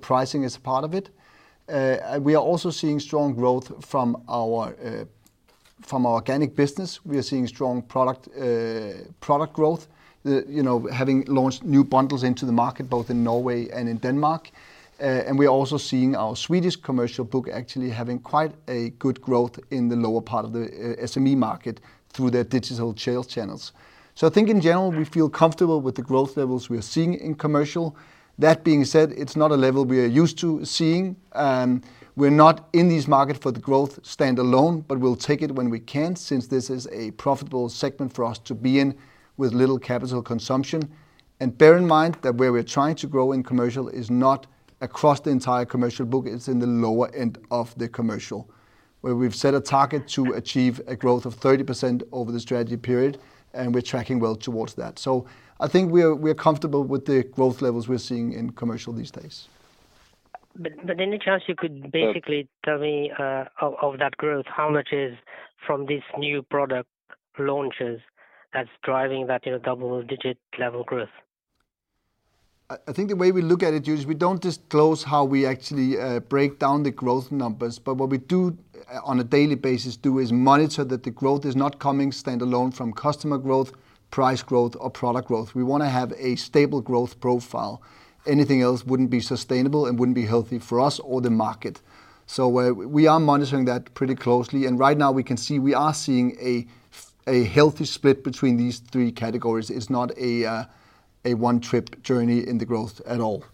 Pricing is part of it. We are also seeing strong growth from our organic business. We are seeing strong product growth. You know, having launched new bundles into the market, both in Norway and in Denmark. We are also seeing our Swedish commercial book actually having quite a good growth in the lower part of the SME market through their digital channels. I think in general, we feel comfortable with the growth levels we are seeing in commercial. That being said, it's not a level we are used to seeing. We're not in this market for the growth stand alone, but we'll take it when we can, since this is a profitable segment for us to be in with little capital consumption. Bear in mind that where we're trying to grow in commercial is not across the entire commercial book, it's in the lower end of the commercial, where we've set a target to achieve a growth of 30% over the strategy period, and we're tracking well towards that. I think we're comfortable with the growth levels we're seeing in commercial these days. Any chance you could basically tell me of that growth, how much is from these new product launches that's driving that, you know, double digit level growth? I think the way we look at it, Yudish, we don't disclose how we actually break down the growth numbers. What we do on a daily basis is monitor that the growth is not coming standalone from customer growth, price growth or product growth. We wanna have a stable growth profile. Anything else wouldn't be sustainable and wouldn't be healthy for us or the market. We are monitoring that pretty closely. Right now we can see we are seeing a healthy split between these three categories. It's not a one-trick pony in the growth at all.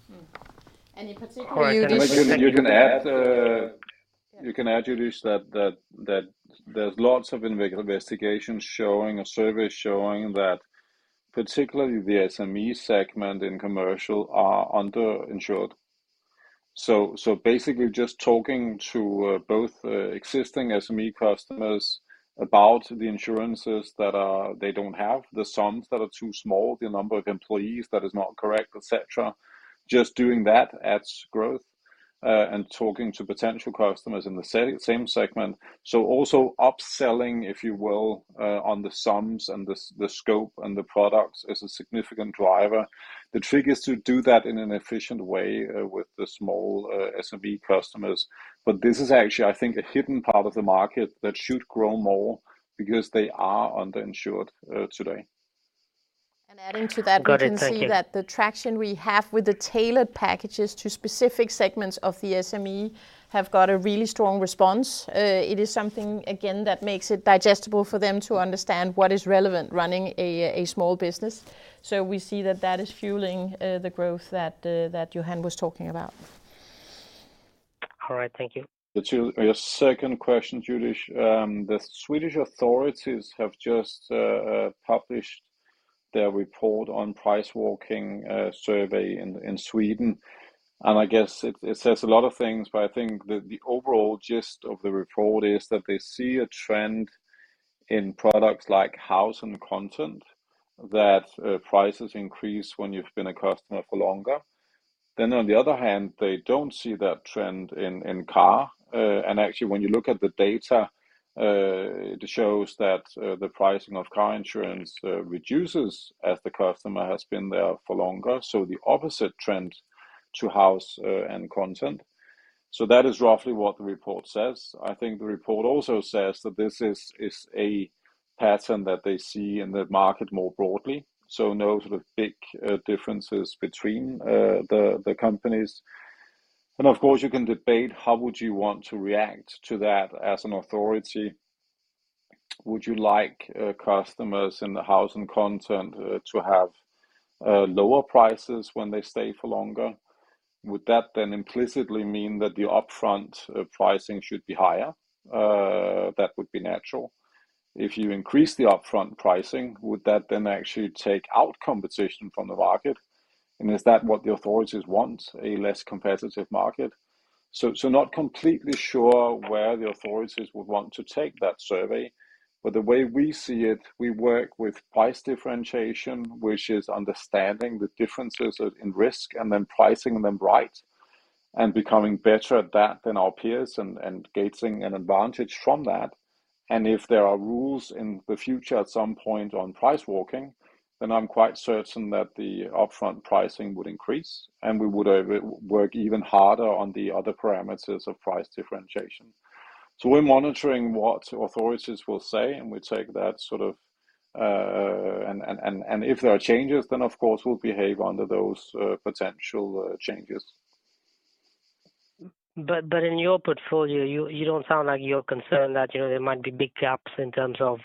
Any particular- You can add, Youdish, that there's lots of investigations showing or surveys showing that particularly the SME segment in commercial are under-insured. Basically just talking to both existing SME customers about the insurances that they don't have, the sums that are too small, the number of employees that is not correct, et cetera. Just doing that adds growth and talking to potential customers in the same segment. Also upselling, if you will, on the sums and the scope and the products is a significant driver. The trick is to do that in an efficient way with the small SME customers. This is actually, I think, a hidden part of the market that should grow more because they are under-insured today. Adding to that- Got it. Thank you. We can see that the traction we have with the tailored packages to specific segments of the SME have got a really strong response. It is something again that makes it digestible for them to understand what is relevant running a small business. We see that is fueling the growth that Johan was talking about. All right. Thank you. Your second question, Youdish. The Swedish authorities have just published their report on price walking survey in Sweden. I guess it says a lot of things, but I think the overall gist of the report is that they see a trend in products like house and content that prices increase when you've been a customer for longer. On the other hand, they don't see that trend in car. And actually when you look at the data, it shows that the pricing of car insurance reduces as the customer has been there for longer. The opposite trend to house and content. That is roughly what the report says. I think the report also says that this is a pattern that they see in the market more broadly. No sort of big differences between the companies. Of course you can debate how would you want to react to that as an authority. Would you like customers in the house and content to have lower prices when they stay for longer? Would that then implicitly mean that the upfront pricing should be higher? That would be natural. If you increase the upfront pricing, would that then actually take out competition from the market? Is that what the authorities want, a less competitive market? Not completely sure where the authorities would want to take that survey. The way we see it, we work with price differentiation, which is understanding the differences in risk and then pricing them right and becoming better at that than our peers and gaining an advantage from that. If there are rules in the future at some point on price walking, then I'm quite certain that the upfront pricing would increase, and we would work even harder on the other parameters of price differentiation. We're monitoring what authorities will say, and we take that sort of, and if there are changes, then of course we'll behave under those potential changes. In your portfolio, you don't sound like you're concerned that, you know, there might be big gaps in terms of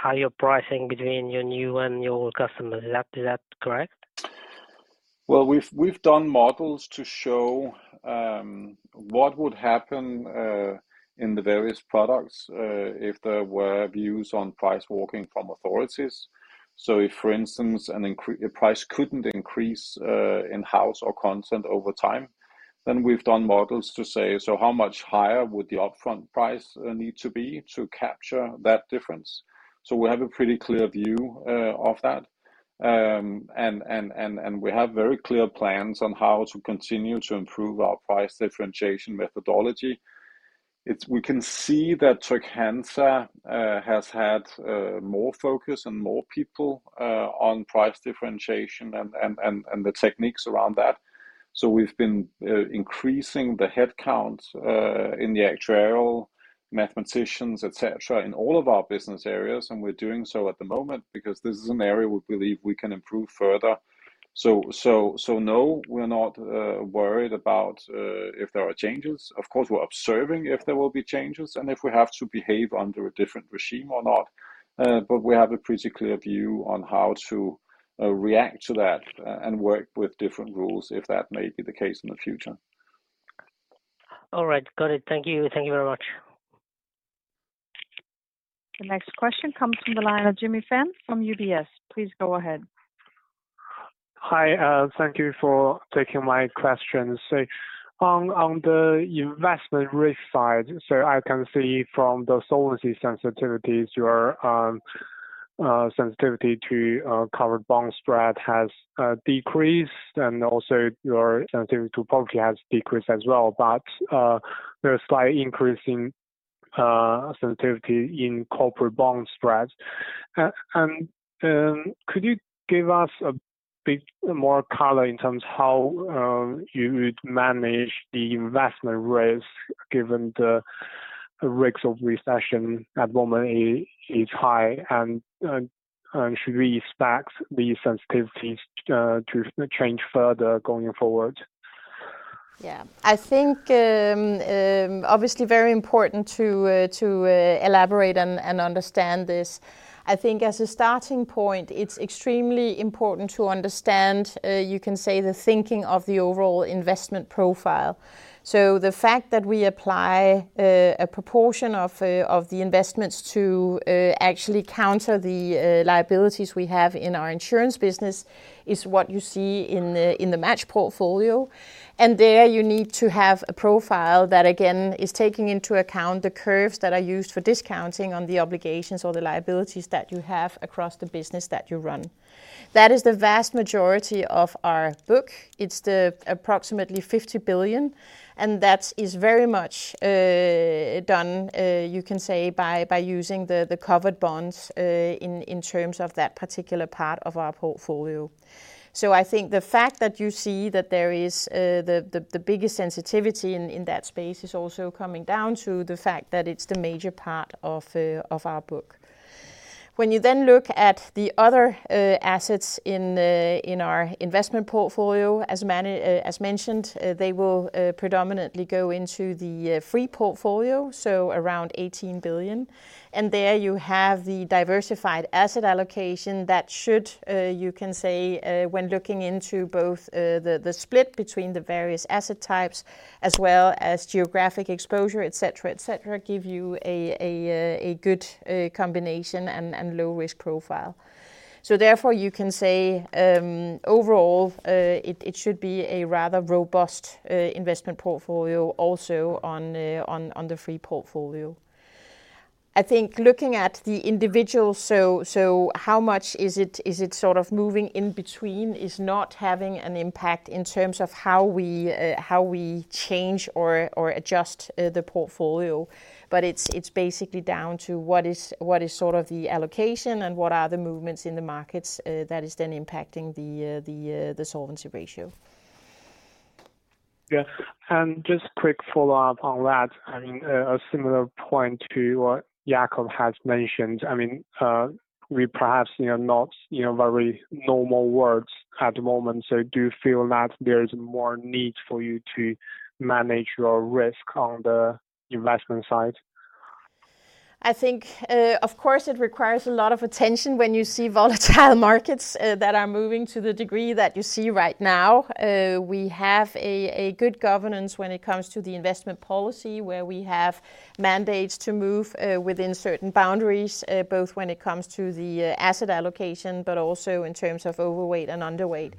how you're pricing between your new and your customers. Is that correct? We've done models to show what would happen in the various products if there were views on price walking from authorities. If for instance, price couldn't increase in house and content over time, then we've done models to say, so how much higher would the upfront price need to be to capture that difference? We have a pretty clear view of that. We have very clear plans on how to continue to improve our price differentiation methodology. We can see that Tryg-Hansa has had more focus and more people on price differentiation and the techniques around that. We've been increasing the headcounts in the actuarial mathematicians, et cetera, in all of our business areas. We're doing so at the moment because this is an area we believe we can improve further. No, we're not worried about if there are changes. Of course, we're observing if there will be changes and if we have to behave under a different regime or not. We have a pretty clear view on how to react to that, and work with different rules if that may be the case in the future. All right. Got it. Thank you. Thank you very much. The next question comes from the line of Jimmy Fan from UBS. Please go ahead. Hi, thank you for taking my questions. On the investment risk side, I can see from the solvency sensitivities, your sensitivity to covered bond spread has decreased and also your sensitivity to property has decreased as well. There are slight increase in sensitivity in corporate bond spreads. Could you give us a bit more color in terms of how you would manage the investment risk given the risks of recession at the moment is high and should we expect the sensitivities to change further going forward? Yeah. I think, obviously very important to elaborate and understand this. I think as a starting point, it's extremely important to understand you can say the thinking of the overall investment profile. The fact that we apply a proportion of the investments to actually counter the liabilities we have in our insurance business is what you see in the match portfolio. There you need to have a profile that again is taking into account the curves that are used for discounting on the obligations or the liabilities that you have across the business that you run. That is the vast majority of our book. It's approximately 50 billion, and that is very much done, you can say by using the covered bonds in terms of that particular part of our portfolio. I think the fact that you see that there is the biggest sensitivity in that space is also coming down to the fact that it's the major part of our book. When you then look at the other assets in our investment portfolio, as mentioned, they will predominantly go into the free portfolio, so around 18 billion. There you have the diversified asset allocation that should, you can say, when looking into both, the split between the various asset types as well as geographic exposure, et cetera, give you a good combination and low risk profile. Therefore, you can say, overall, it should be a rather robust investment portfolio also on the free portfolio. I think looking at the individual, so how much is it, is it sort of moving in between is not having an impact in terms of how we, how we change or adjust the portfolio. It's basically down to what is sort of the allocation and what are the movements in the markets, that is then impacting the solvency ratio. Yeah. Just quick follow-up on that. I mean, a similar point to what Jakob has mentioned. I mean, we perhaps, you know, not, you know, very normal world at the moment. So do you feel that there is more need for you to manage your risk on the investment side? I think, of course it requires a lot of attention when you see volatile markets, that are moving to the degree that you see right now. We have a good governance when it comes to the investment policy, where we have mandates to move, within certain boundaries, both when it comes to the, asset allocation, but also in terms of overweight and underweight.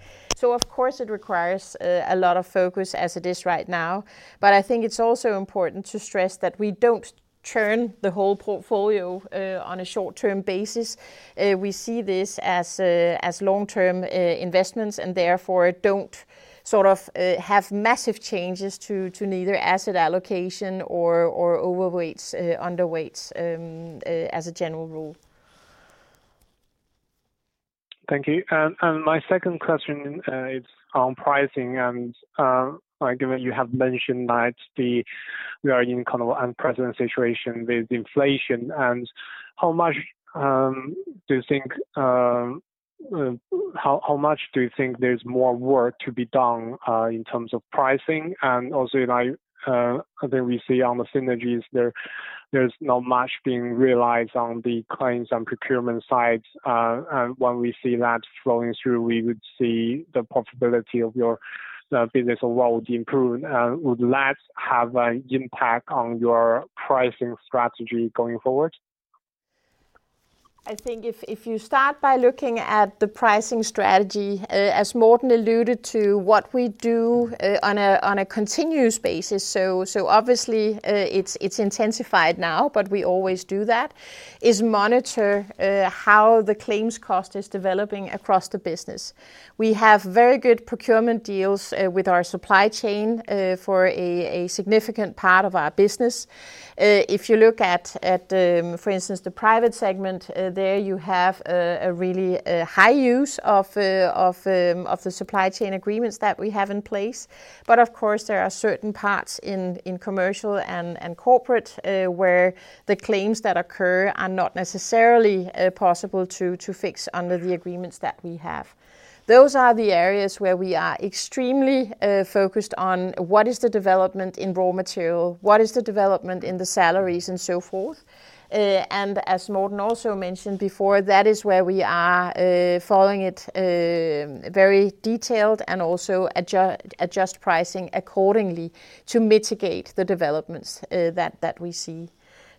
Of course it requires, a lot of focus as it is right now. I think it's also important to stress that we don't turn the whole portfolio, on a short-term basis. We see this as long-term, investments and therefore don't sort of, have massive changes to neither asset allocation or overweights, underweights, as a general rule. Thank you. My second question is on pricing. Given you have mentioned that we are in kind of an unprecedented situation with inflation, how much do you think there's more work to be done in terms of pricing? Also like, then we see on the synergies there's not much being realized on the claims and procurement sides. When we see that flowing through, we would see the profitability of your business overall would improve. Would that have an impact on your pricing strategy going forward? I think if you start by looking at the pricing strategy, as Morten alluded to, what we do on a continuous basis, so obviously it's intensified now, but we always do that, is monitor how the claims cost is developing across the business. We have very good procurement deals with our supply chain for a significant part of our business. If you look at, for instance, the private segment, there you have a really high use of the supply chain agreements that we have in place. Of course there are certain parts in commercial and corporate where the claims that occur are not necessarily possible to fix under the agreements that we have. Those are the areas where we are extremely focused on what is the development in raw material, what is the development in the salaries and so forth. As Morten also mentioned before, that is where we are following it very detailed and also adjust pricing accordingly to mitigate the developments that we see.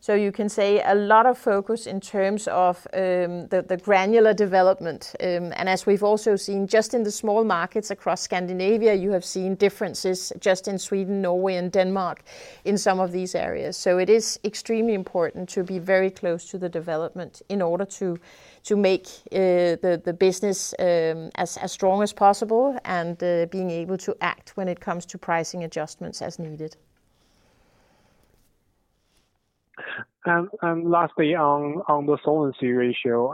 You can say a lot of focus in terms of the granular development. As we've also seen just in the small markets across Scandinavia, you have seen differences just in Sweden, Norway, and Denmark in some of these areas. It is extremely important to be very close to the development in order to make the business as strong as possible and being able to act when it comes to pricing adjustments as needed. Lastly on the solvency ratio.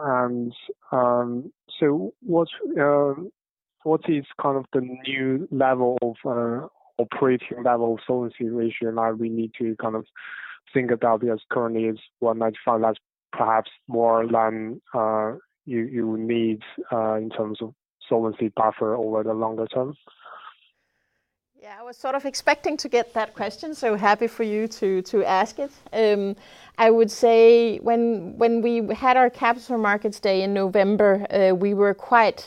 What is kind of the new level of operating level solvency ratio now we need to kind of think about this currently is 195% that perhaps more than you need in terms of solvency buffer over the longer term? Yeah. I was sort of expecting to get that question, so happy for you to ask it. I would say when we had our Capital Markets Day in November, we were quite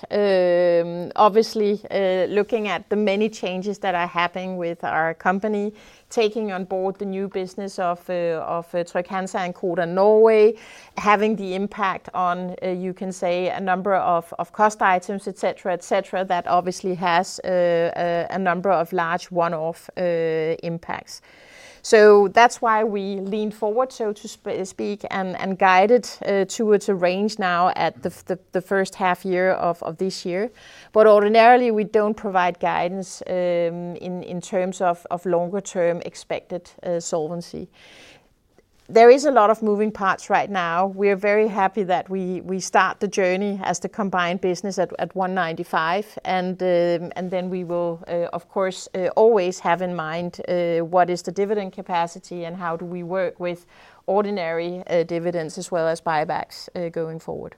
obviously looking at the many changes that are happening with our company, taking on board the new business of Trygg-Hansa and Codan Norway, having the impact on you can say a number of cost items, et cetera, that obviously has a number of large one-off impacts. That's why we leaned forward, so to speak, and guided towards a range now at the H1 year of this year. Ordinarily, we don't provide guidance in terms of longer term expected solvency. There is a lot of moving parts right now. We're very happy that we start the journey as the combined business at 195%, and then we will, of course, always have in mind what is the dividend capacity and how do we work with ordinary dividends as well as buybacks going forward.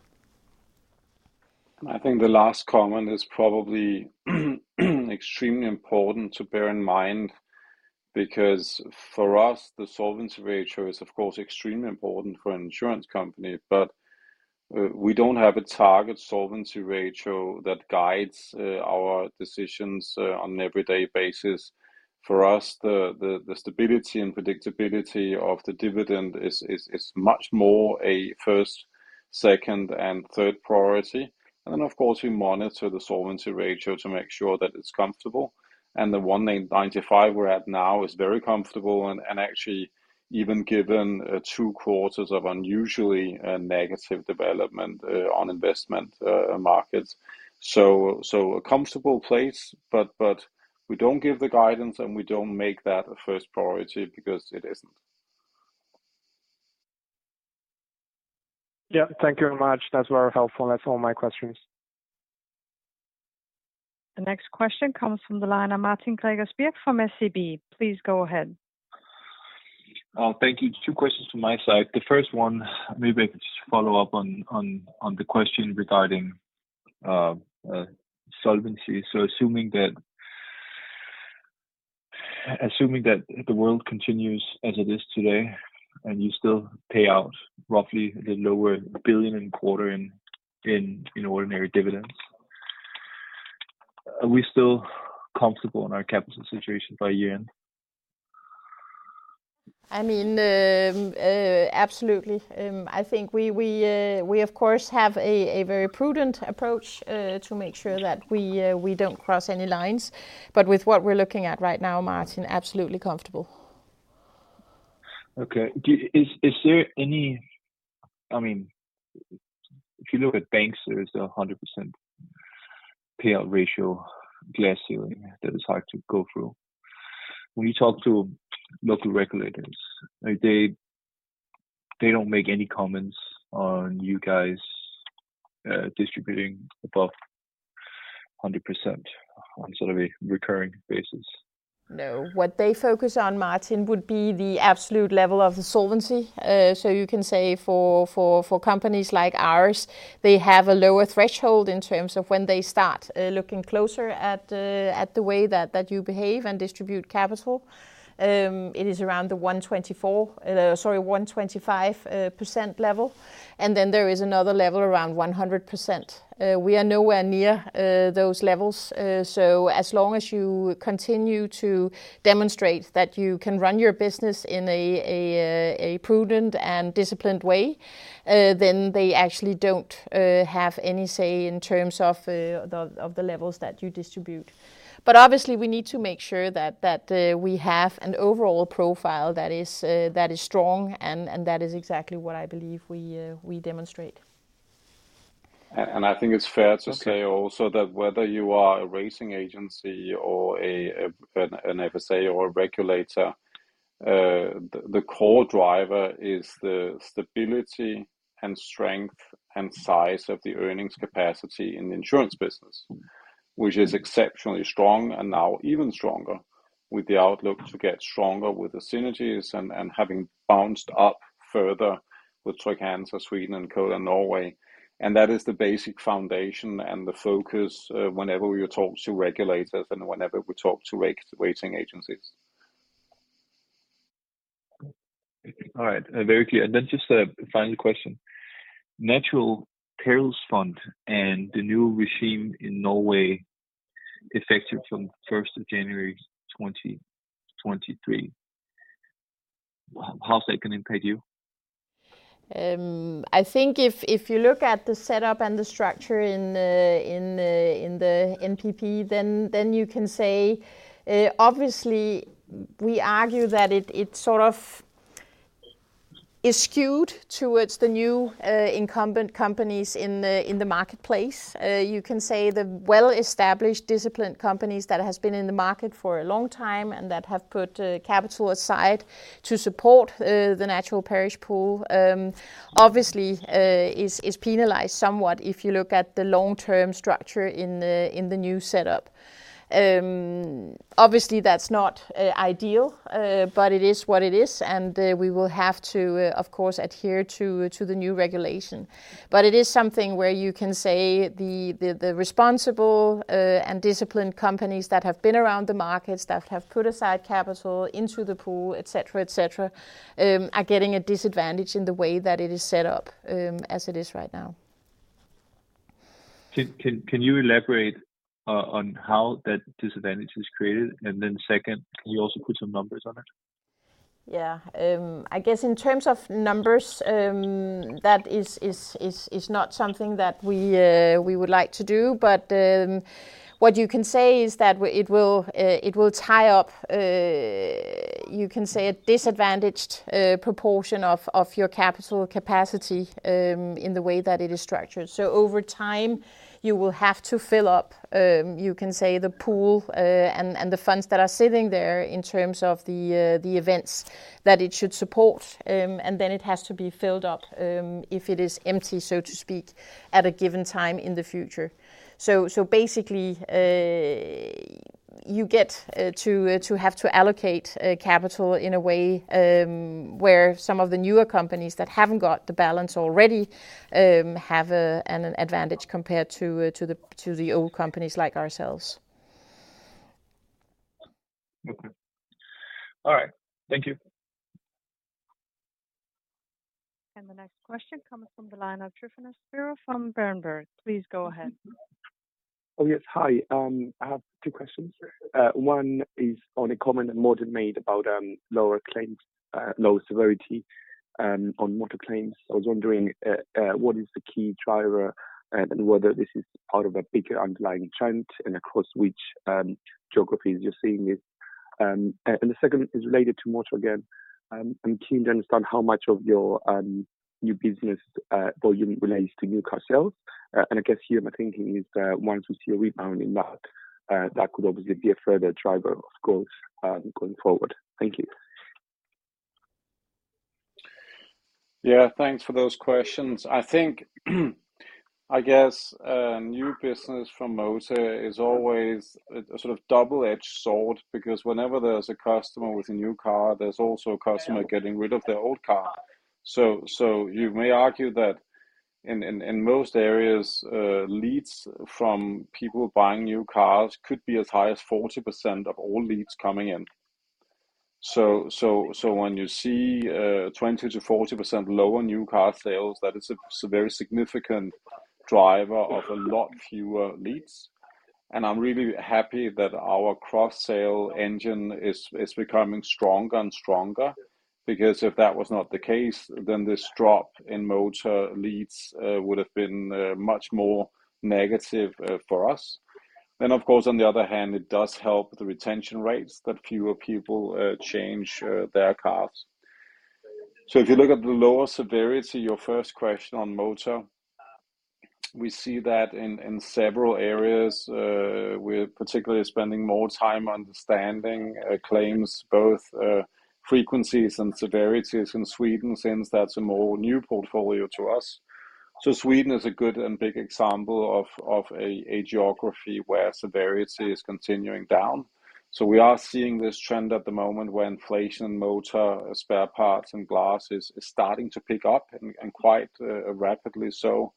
I think the last comment is probably extremely important to bear in mind because for us, the solvency ratio is of course extremely important for an insurance company. We don't have a target solvency ratio that guides our decisions on an every day basis. For us, the stability and predictability of the dividend is much more a first, second and third priority. Of course, we monitor the solvency ratio to make sure that it's comfortable. The 195% we're at now is very comfortable and actually even given two quarters of unusually negative development on investment markets. A comfortable place, but we don't give the guidance, and we don't make that a first priority because it isn't. Yeah. Thank you very much. That's very helpful. That's all my questions. The next question comes from the line of Martin Gregers Birk from SEB. Please go ahead. Thank you. Two questions from my side. The first one, maybe I could just follow up on the question regarding solvency. Assuming that the world continues as it is today, and you still pay out roughly 1.25 billion in ordinary dividends. Are we still comfortable in our capital situation by year-end? I mean, absolutely. I think we of course have a very prudent approach to make sure that we don't cross any lines. With what we're looking at right now, Martin, absolutely comfortable. Okay. Is there any I mean, if you look at banks, there is a 100% payout ratio glass ceiling that is hard to go through. When you talk to local regulators, like, they don't make any comments on you guys distributing above 100% on sort of a recurring basis. No. What they focus on, Martin, would be the absolute level of the solvency. You can say for companies like ours, they have a lower threshold in terms of when they start looking closer at the way that you behave and distribute capital. It is around the 125% level. There is another level around 100%. We are nowhere near those levels. As long as you continue to demonstrate that you can run your business in a prudent and disciplined way, then they actually don't have any say in terms of the levels that you distribute. Obviously we need to make sure that we have an overall profile that is strong and that is exactly what I believe we demonstrate. I think it's fair to say also that whether you are a rating agency or a FSA or a regulator, the core driver is the stability and strength and size of the earnings capacity in the insurance business, which is exceptionally strong and now even stronger with the outlook to get stronger with the synergies and having bounced up further with Tryg-Hansa and Codan Norway. That is the basic foundation and the focus whenever we talk to regulators and whenever we talk to rating agencies. All right. Very clear. Just a final question. Norwegian Natural Perils Pool and the new regime in Norway effective from first of January 2023. How's that gonna impact you? I think if you look at the setup and the structure in the NPF, then you can say, obviously we argue that it sort of is skewed towards the new incumbent companies in the marketplace. You can say the well-established disciplined companies that has been in the market for a long time and that have put capital aside to support the Natural Perils Pool, obviously is penalized somewhat if you look at the long-term structure in the new setup. Obviously that's not ideal, but it is what it is. We will have to of course adhere to the new regulation. It is something where you can say the responsible and disciplined companies that have been around the markets, that have put aside capital into the pool, et cetera, et cetera, are getting a disadvantage in the way that it is set up, as it is right now. Can you elaborate on how that disadvantage is created? Second, can you also put some numbers on it? Yeah. I guess in terms of numbers, that is not something that we would like to do. What you can say is that it will tie up You can say a disadvantaged proportion of your capital capacity in the way that it is structured. Over time, you will have to fill up, you can say the pool, and the funds that are sitting there in terms of the events that it should support. It has to be filled up if it is empty, so to speak, at a given time in the future. Basically, you get to have to allocate capital in a way where some of the newer companies that haven't got the balance already have an advantage compared to the old companies like ourselves. Okay. All right. Thank you. The next question comes from the line of Tryfonas Spyrou from Berenberg. Please go ahead. Oh, yes. Hi. I have two questions. One is on a comment that Morten made about lower claims, lower severity on motor claims. I was wondering what is the key driver and whether this is part of a bigger underlying trend and across which geographies you're seeing it. The second is related to motor again. I'm keen to understand how much of your new business volume relates to new car sales. I guess here my thinking is that once we see a rebound in that could obviously be a further driver of growth going forward. Thank you. Yeah, thanks for those questions. I think, I guess, new business from motor is always a sort of double-edged sword because whenever there's a customer with a new car, there's also a customer getting rid of their old car. You may argue that in most areas, leads from people buying new cars could be as high as 40% of all leads coming in. When you see 20%-40% lower new car sales, that is a very significant driver of a lot fewer leads. I'm really happy that our cross-sale engine is becoming stronger and stronger because if that was not the case, then this drop in motor leads would have been much more negative for us. Of course, on the other hand, it does help the retention rates that fewer people change their cars. If you look at the lower severity, your first question on motor, we see that in several areas. We're particularly spending more time understanding claims both frequencies and severities in Sweden since that's a more new portfolio to us. Sweden is a good and big example of a geography where severity is continuing down. We are seeing this trend at the moment where inflation, motor, spare parts, and glass is starting to pick up and quite rapidly so.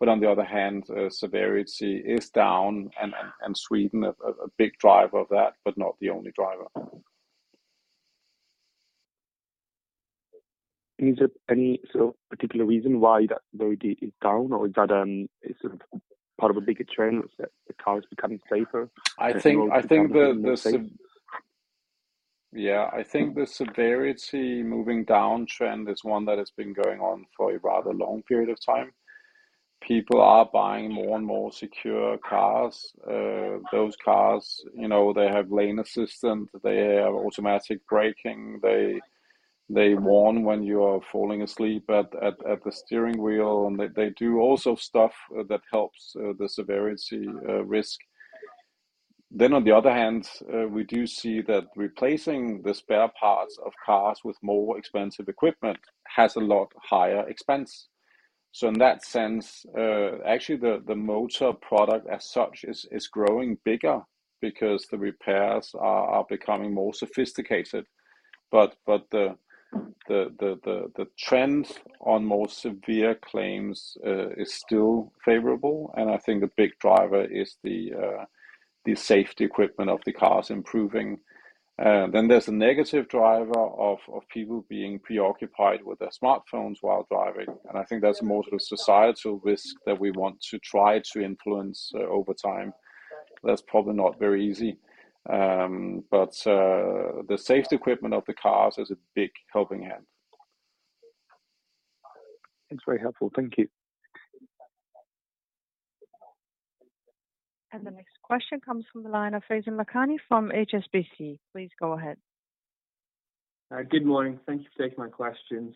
On the other hand, severity is down and Sweden a big driver of that, but not the only driver. Is there any sort of particular reason why that severity is down or is that, is it part of a bigger trend that the car is becoming safer? I think the severity moving down trend is one that has been going on for a rather long period of time. People are buying more and more secure cars. Those cars, you know, they have lane assistant, they have automatic braking. They warn when you are falling asleep at the steering wheel, and they do also stuff that helps the severity risk. On the other hand, we do see that replacing the spare parts of cars with more expensive equipment has a lot higher expense. In that sense, actually the motor product as such is growing bigger because the repairs are becoming more sophisticated. The trend on more severe claims is still favorable, and I think the big driver is the safety equipment of the cars improving. There's a negative driver of people being preoccupied with their smartphones while driving, and I think that's more of a societal risk that we want to try to influence over time. That's probably not very easy. The safety equipment of the cars is a big helping hand. It's very helpful. Thank you. The next question comes from the line of Faizan Lakhani from HSBC. Please go ahead. Good morning. Thank you for taking my questions.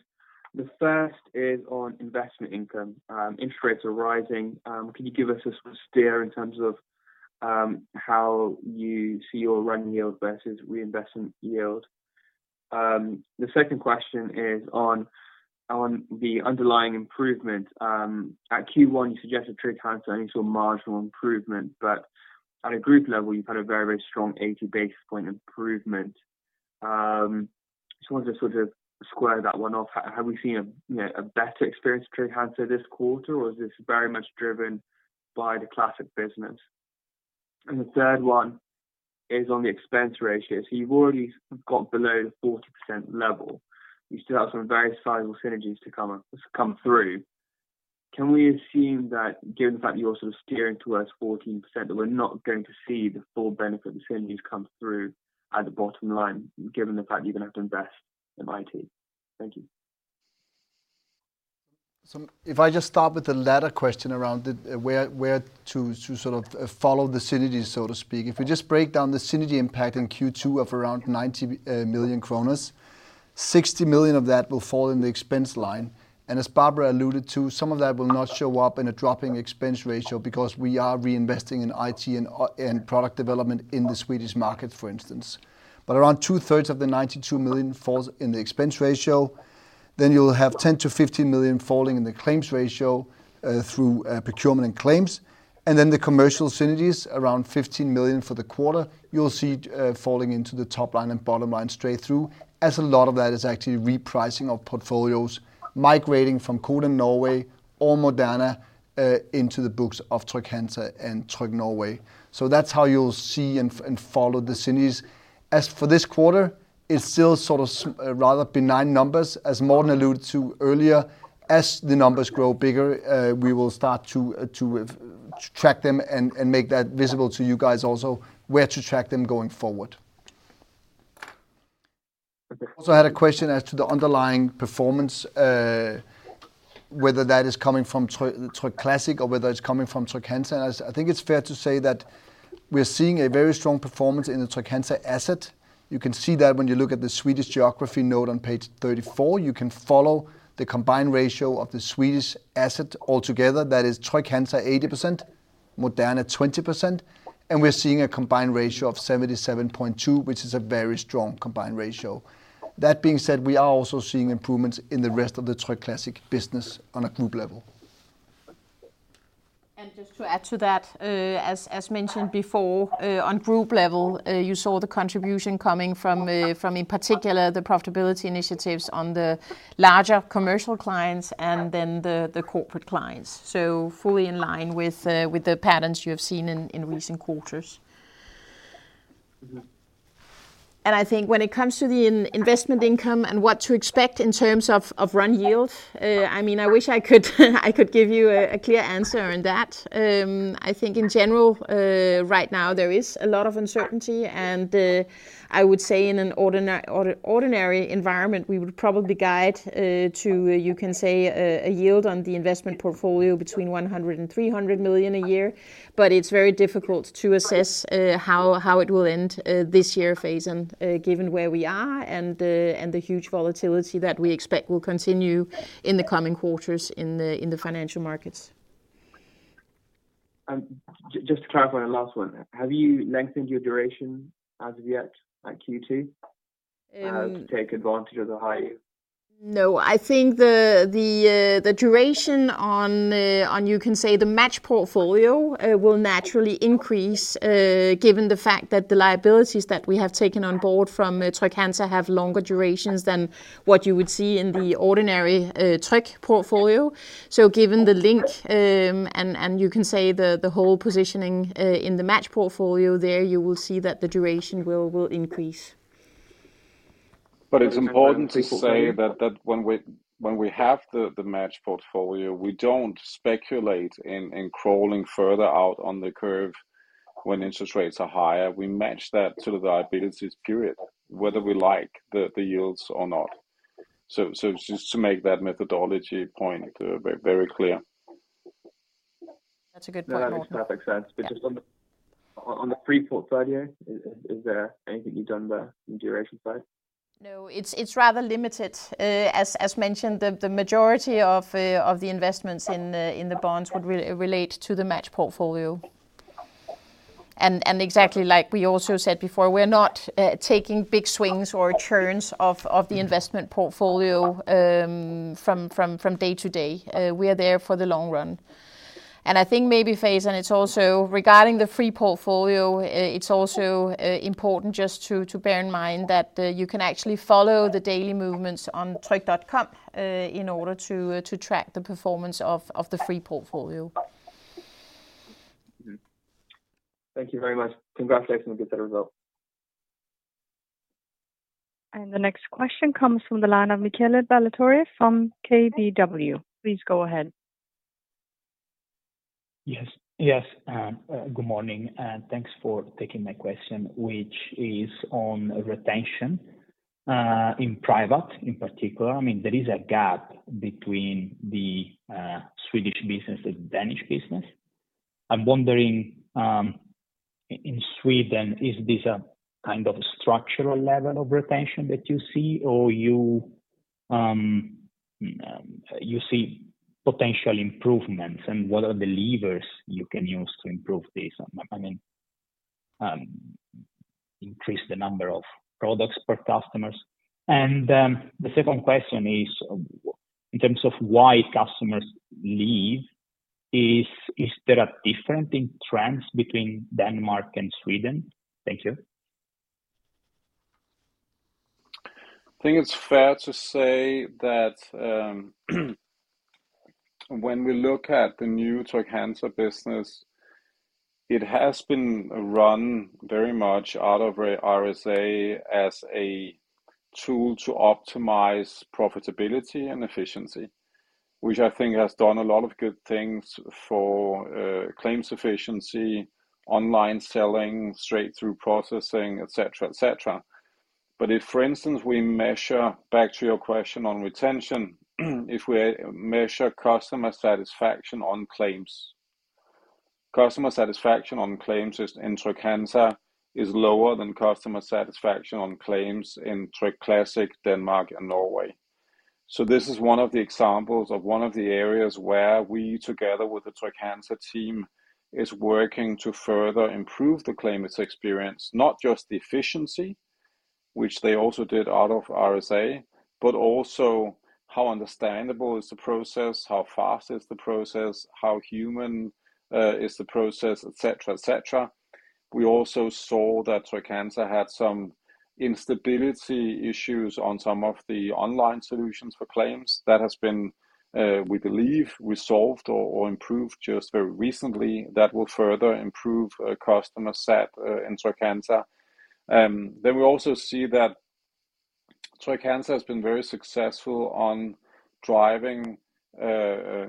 The first is on investment income. Interest rates are rising. Can you give us a sort of steer in terms of how you see your running yield versus reinvestment yield? The second question is on the underlying improvement. At Q1, you suggested Tryg-Hansa only saw marginal improvement, but at a group level, you've had a very strong 80 basis point improvement. Just wanted to sort of square that one off. Have we seen a, you know, a better experience with Tryg-Hansa this quarter, or is this very much driven by the classic business? The third one is on the expense ratio. You've already got below the 40% level. You still have some very sizable synergies to come through. Can we assume that given the fact that you're sort of steering towards 14%, that we're not going to see the full benefit of synergies come through at the bottom line, given the fact you're gonna have to invest in IT? Thank you. If I just start with the latter question around the where to sort of follow the synergies, so to speak. If we just break down the synergy impact in Q2 of around 90 million kroner, 60 million of that will fall in the expense line. As Barbara alluded to, some of that will not show up in a dropping expense ratio because we are reinvesting in IT and product development in the Swedish market, for instance. Around 2/3 of the 92 million falls in the expense ratio, then you'll have 10-15 million falling in the claims ratio through procurement and claims. The commercial synergies around 15 million for the quarter, you'll see, falling into the top line and bottom line straight through as a lot of that is actually repricing of portfolios migrating from Codan Norway or Moderna into the books of Tryg-Hansa and Tryg Norway. That's how you'll see and follow the synergies. As for this quarter, it's still sort of rather benign numbers. As Morten alluded to earlier, as the numbers grow bigger, we will start to track them and make that visible to you guys also, where to track them going forward. I also had a question as to the underlying performance, whether that is coming from Tryg Classic or whether it's coming from Tryg-Hansa. I think it's fair to say that we're seeing a very strong performance in the Tryg-Hansa asset. You can see that when you look at the Swedish geography note on page 34. You can follow the combined ratio of the Swedish asset altogether. That is Tryg-Hansa 80%, Moderna 20%, and we're seeing a combined ratio of 77.2%, which is a very strong combined ratio. That being said, we are also seeing improvements in the rest of the Tryg Classic business on a group level. Just to add to that, as mentioned before, on group level, you saw the contribution coming from in particular the profitability initiatives on the larger commercial clients and then the corporate clients. Fully in line with the patterns you have seen in recent quarters. Mm-hmm. I think when it comes to the investment income and what to expect in terms of run yield, I mean, I wish I could give you a clear answer on that. I think in general, right now there is a lot of uncertainty, and I would say in an ordinary environment, we would probably guide to, you can say, a yield on the investment portfolio between 100 million-300 million a year. But it's very difficult to assess how it will end this year, Faizan, given where we are and the huge volatility that we expect will continue in the coming quarters in the financial markets. Just to clarify, last one. Have you lengthened your duration as of yet at Q2 to take advantage of the high yield? No, I think the duration on you can say the match portfolio will naturally increase, given the fact that the liabilities that we have taken on board from Tryg-Hansa have longer durations than what you would see in the ordinary Tryg portfolio. Given the link and you can say the whole positioning in the match portfolio there, you will see that the duration will increase. It's important to say that when we have the match portfolio, we don't speculate in crawling further out on the curve when interest rates are higher. We match that to the liabilities period, whether we like the yields or not. Just to make that methodology point very clear. That's a good point, Morten. No, that makes perfect sense. Just on the free portfolio side here, is there anything you've done there on the duration side? No, it's rather limited. As mentioned, the majority of the investments in the bonds would relate to the match portfolio. Exactly like we also said before, we're not taking big swings or churns of the investment portfolio from day to day. We are there for the long run. I think maybe, Faizan, it's also regarding the free portfolio, it's also important just to bear in mind that you can actually follow the daily movements on tryg.com in order to track the performance of the free portfolio. Thank you very much. Congratulations on the good set of results. The next question comes from the line of Michele Ballatore from KBW. Please go ahead. Yes. Yes, good morning, and thanks for taking my question, which is on retention in private in particular. I mean, there is a gap between the Swedish business and Danish business. I'm wondering, in Sweden, is this a kind of structural level of retention that you see or you see potential improvements, and what are the levers you can use to improve this? I mean, increase the number of products per customers. The second question is, in terms of why customers leave, is there a difference in trends between Denmark and Sweden? Thank you. I think it's fair to say that, when we look at the new Tryg-Hansa business, it has been run very much out of RSA as a tool to optimize profitability and efficiency, which I think has done a lot of good things for, claims efficiency, online selling, straight through processing, et cetera, et cetera. If, for instance, we measure back to your question on retention. If we measure customer satisfaction on claims. Customer satisfaction on claims in Tryg-Hansa is lower than customer satisfaction on claims in Tryg Classic Denmark and Norway. This is one of the examples of one of the areas where we, together with the Tryg-Hansa team, is working to further improve the claimants' experience, not just the efficiency, which they also did out of RSA, but also how understandable is the process, how fast is the process, how human is the process, et cetera, et cetera. We also saw that Tryg-Hansa had some instability issues on some of the online solutions for claims that has been, we believe resolved or improved just very recently. That will further improve customer sat in Tryg-Hansa. We also see that Tryg-Hansa has been very successful in driving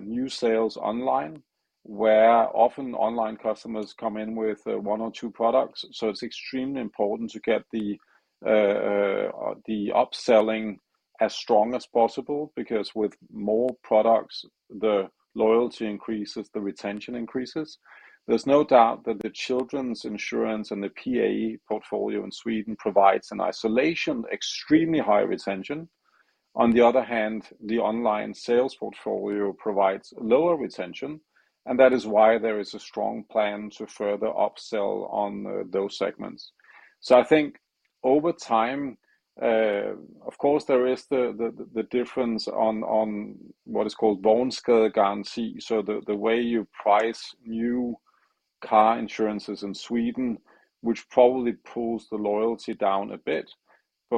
new sales online, where often online customers come in with one or two products. It's extremely important to get the upselling as strong as possible because with more products the loyalty increases, the retention increases. There's no doubt that the children's insurance and the PA portfolio in Sweden provides exceptionally high retention. On the other hand, the online sales portfolio provides lower retention, and that is why there is a strong plan to further upsell on those segments. I think over time, of course, there is the difference on what is called. The way you price new car insurances in Sweden, which probably pulls the loyalty down a bit.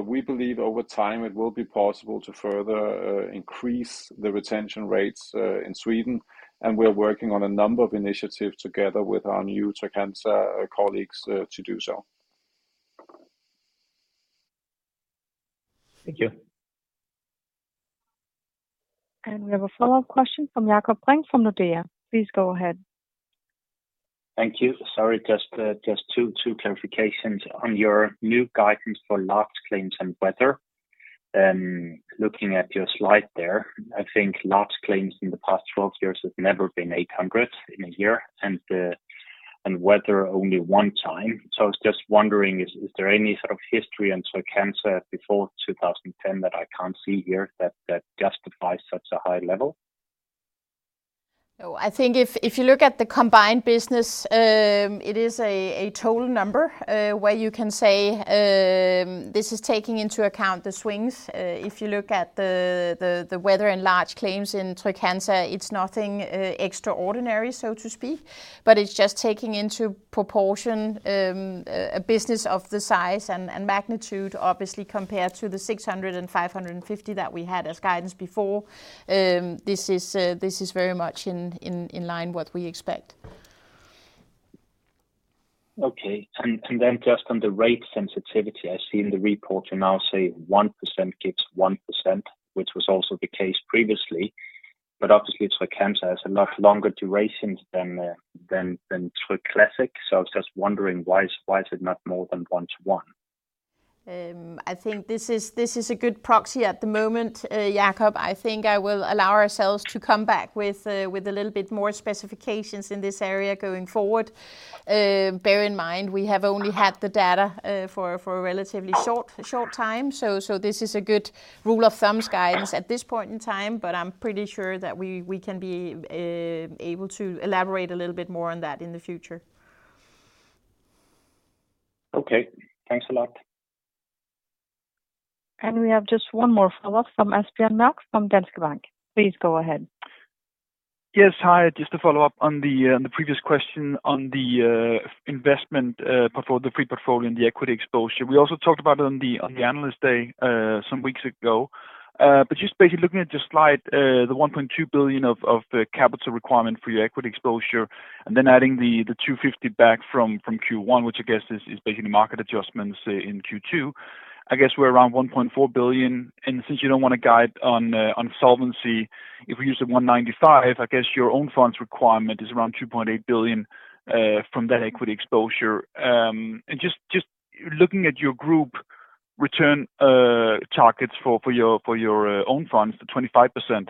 We believe over time it will be possible to further increase the retention rates in Sweden, and we are working on a number of initiatives together with our new Tryg-Hansa colleagues to do so. Thank you. We have a follow-up question from Jakob Brink from Nordea. Please go ahead. Thank you. Sorry, just two clarifications. On your new guidance for large claims and weather, looking at your slide there, I think large claims in the past 12 years have never been 800 in a year, and weather only one time. I was just wondering, is there any sort of history in Tryg-Hansa before 2010 that I can't see here that justifies such a high level? No, I think if you look at the combined business, it is a total number where you can say this is taking into account the swings. If you look at the weather and large claims in Tryg-Hansa, it's nothing extraordinary, so to speak, but it's just taking into proportion a business of the size and magnitude obviously compared to the 605 and 550 that we had as guidance before. This is very much in line with what we expect. Okay. Then just on the rate sensitivity. I see in the report you now say 1% gives 1%, which was also the case previously. Obviously Tryg-Hansa has a lot longer durations than Tryg Classic. I was just wondering why is it not more than one-to-one? I think this is a good proxy at the moment, Jakob. I think I will allow ourselves to come back with a little bit more specifications in this area going forward. Bear in mind, we have only had the data for a relatively short time. This is a good rule of thumb guidance at this point in time, but I'm pretty sure that we can be able to elaborate a little bit more on that in the future. Okay. Thanks a lot. We have just one more follow-up from Asbjørn Mørk from Danske Bank. Please go ahead. Just to follow up on the previous question on the investment the free portfolio and the equity exposure. We also talked about it on the analyst day some weeks ago. Just basically looking at your slide, the 1.2 billion of the capital requirement for your equity exposure, and then adding the 250 million back from Q1, which I guess is basically market adjustments in Q2. I guess we're around 1.4 billion. Since you don't wanna guide on solvency, if we use the 195, I guess your own funds requirement is around 2.8 billion from that equity exposure. Just looking at your group return targets for your own funds, the 25%.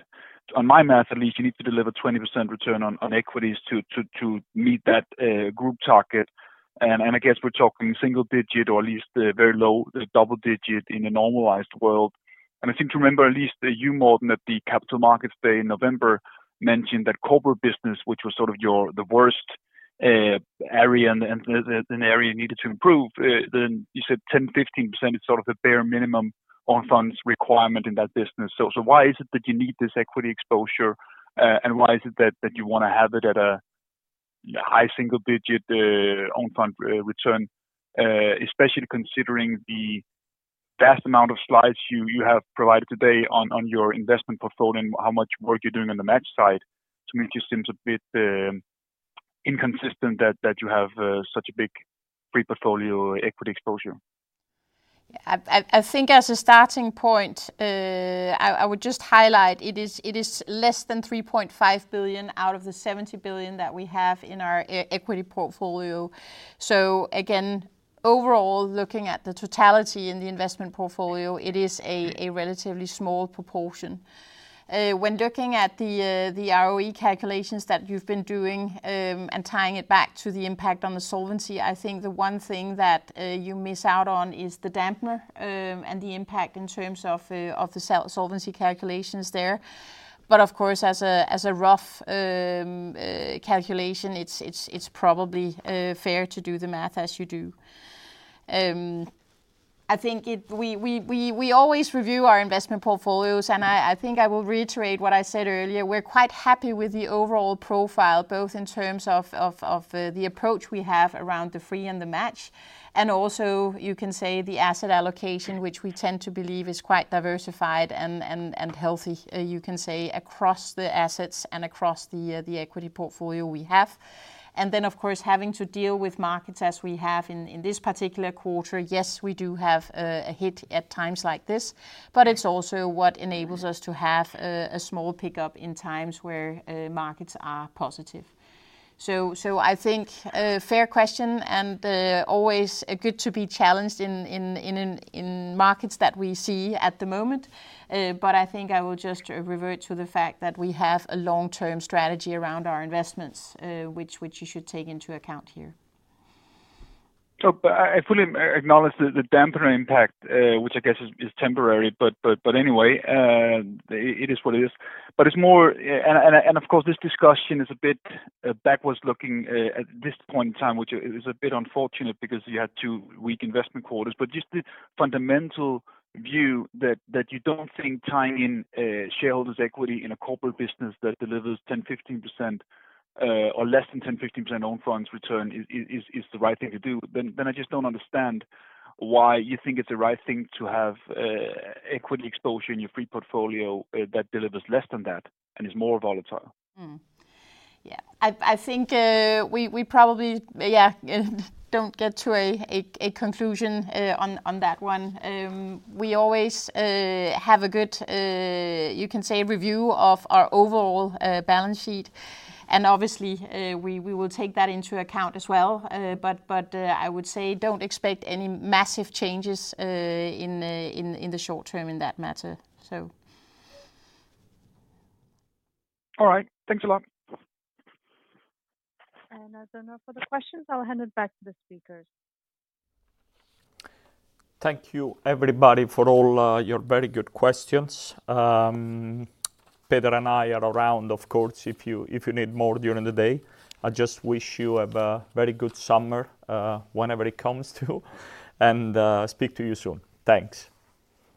On my math at least you need to deliver 20% return on equities to meet that group target. I guess we're talking single-digit or at least very low double-digit in a normalized world. I seem to remember at least you, Morten, at the Capital Markets Day in November mentioned that corporate business, which was sort of your worst area and an area you needed to improve. Then you said 10%, 15% is sort of the bare minimum own funds requirement in that business. Why is it that you need this equity exposure? Why is it that you wanna have it at a high single digit own funds return? Especially considering the vast amount of slides you have provided today on your investment portfolio and how much work you're doing on the match side. To me it just seems a bit inconsistent that you have such a big free portfolio equity exposure. Yeah. I think as a starting point, I would just highlight it is less than 3.5 billion out of the 70 billion that we have in our equity portfolio. Overall, looking at the totality in the investment portfolio, it is a relatively small proportion. When looking at the ROE calculations that you've been doing, and tying it back to the impact on the solvency, I think the one thing that you miss out on is the dampener, and the impact in terms of the solvency calculations there. Of course, as a rough calculation, it's probably fair to do the math as you do. I think we always review our investment portfolios, and I think I will reiterate what I said earlier. We're quite happy with the overall profile, both in terms of the approach we have around the free and the match. Also you can say the asset allocation, which we tend to believe is quite diversified and healthy, you can say across the assets and across the equity portfolio we have. Then, of course, having to deal with markets as we have in this particular quarter, yes, we do have a hit at times like this, but it's also what enables us to have a small pickup in times where markets are positive. I think a fair question and always good to be challenged in markets that we see at the moment. I think I will just revert to the fact that we have a long-term strategy around our investments, which you should take into account here. I fully acknowledge the dampener impact, which I guess is temporary, but anyway, it is what it is. It's more. Of course, this discussion is a bit backward looking at this point in time, which is a bit unfortunate because you had two weak investment quarters. Just the fundamental view that you don't think tying in shareholders' equity in a corporate business that delivers 10%-15% or less than 10%-15% on funds return is the right thing to do, then I just don't understand why you think it's the right thing to have equity exposure in your free portfolio that delivers less than that and is more volatile. I think we probably don't get to a conclusion on that one. We always have a good, you can say, review of our overall balance sheet. Obviously, we will take that into account as well. But I would say don't expect any massive changes in the short term in that matter. All right. Thanks a lot. As there are no further questions, I'll hand it back to the speakers. Thank you everybody for all your very good questions. Peder and I are around of course if you need more during the day. I just wish you a very good summer whenever it comes to, and speak to you soon. Thanks.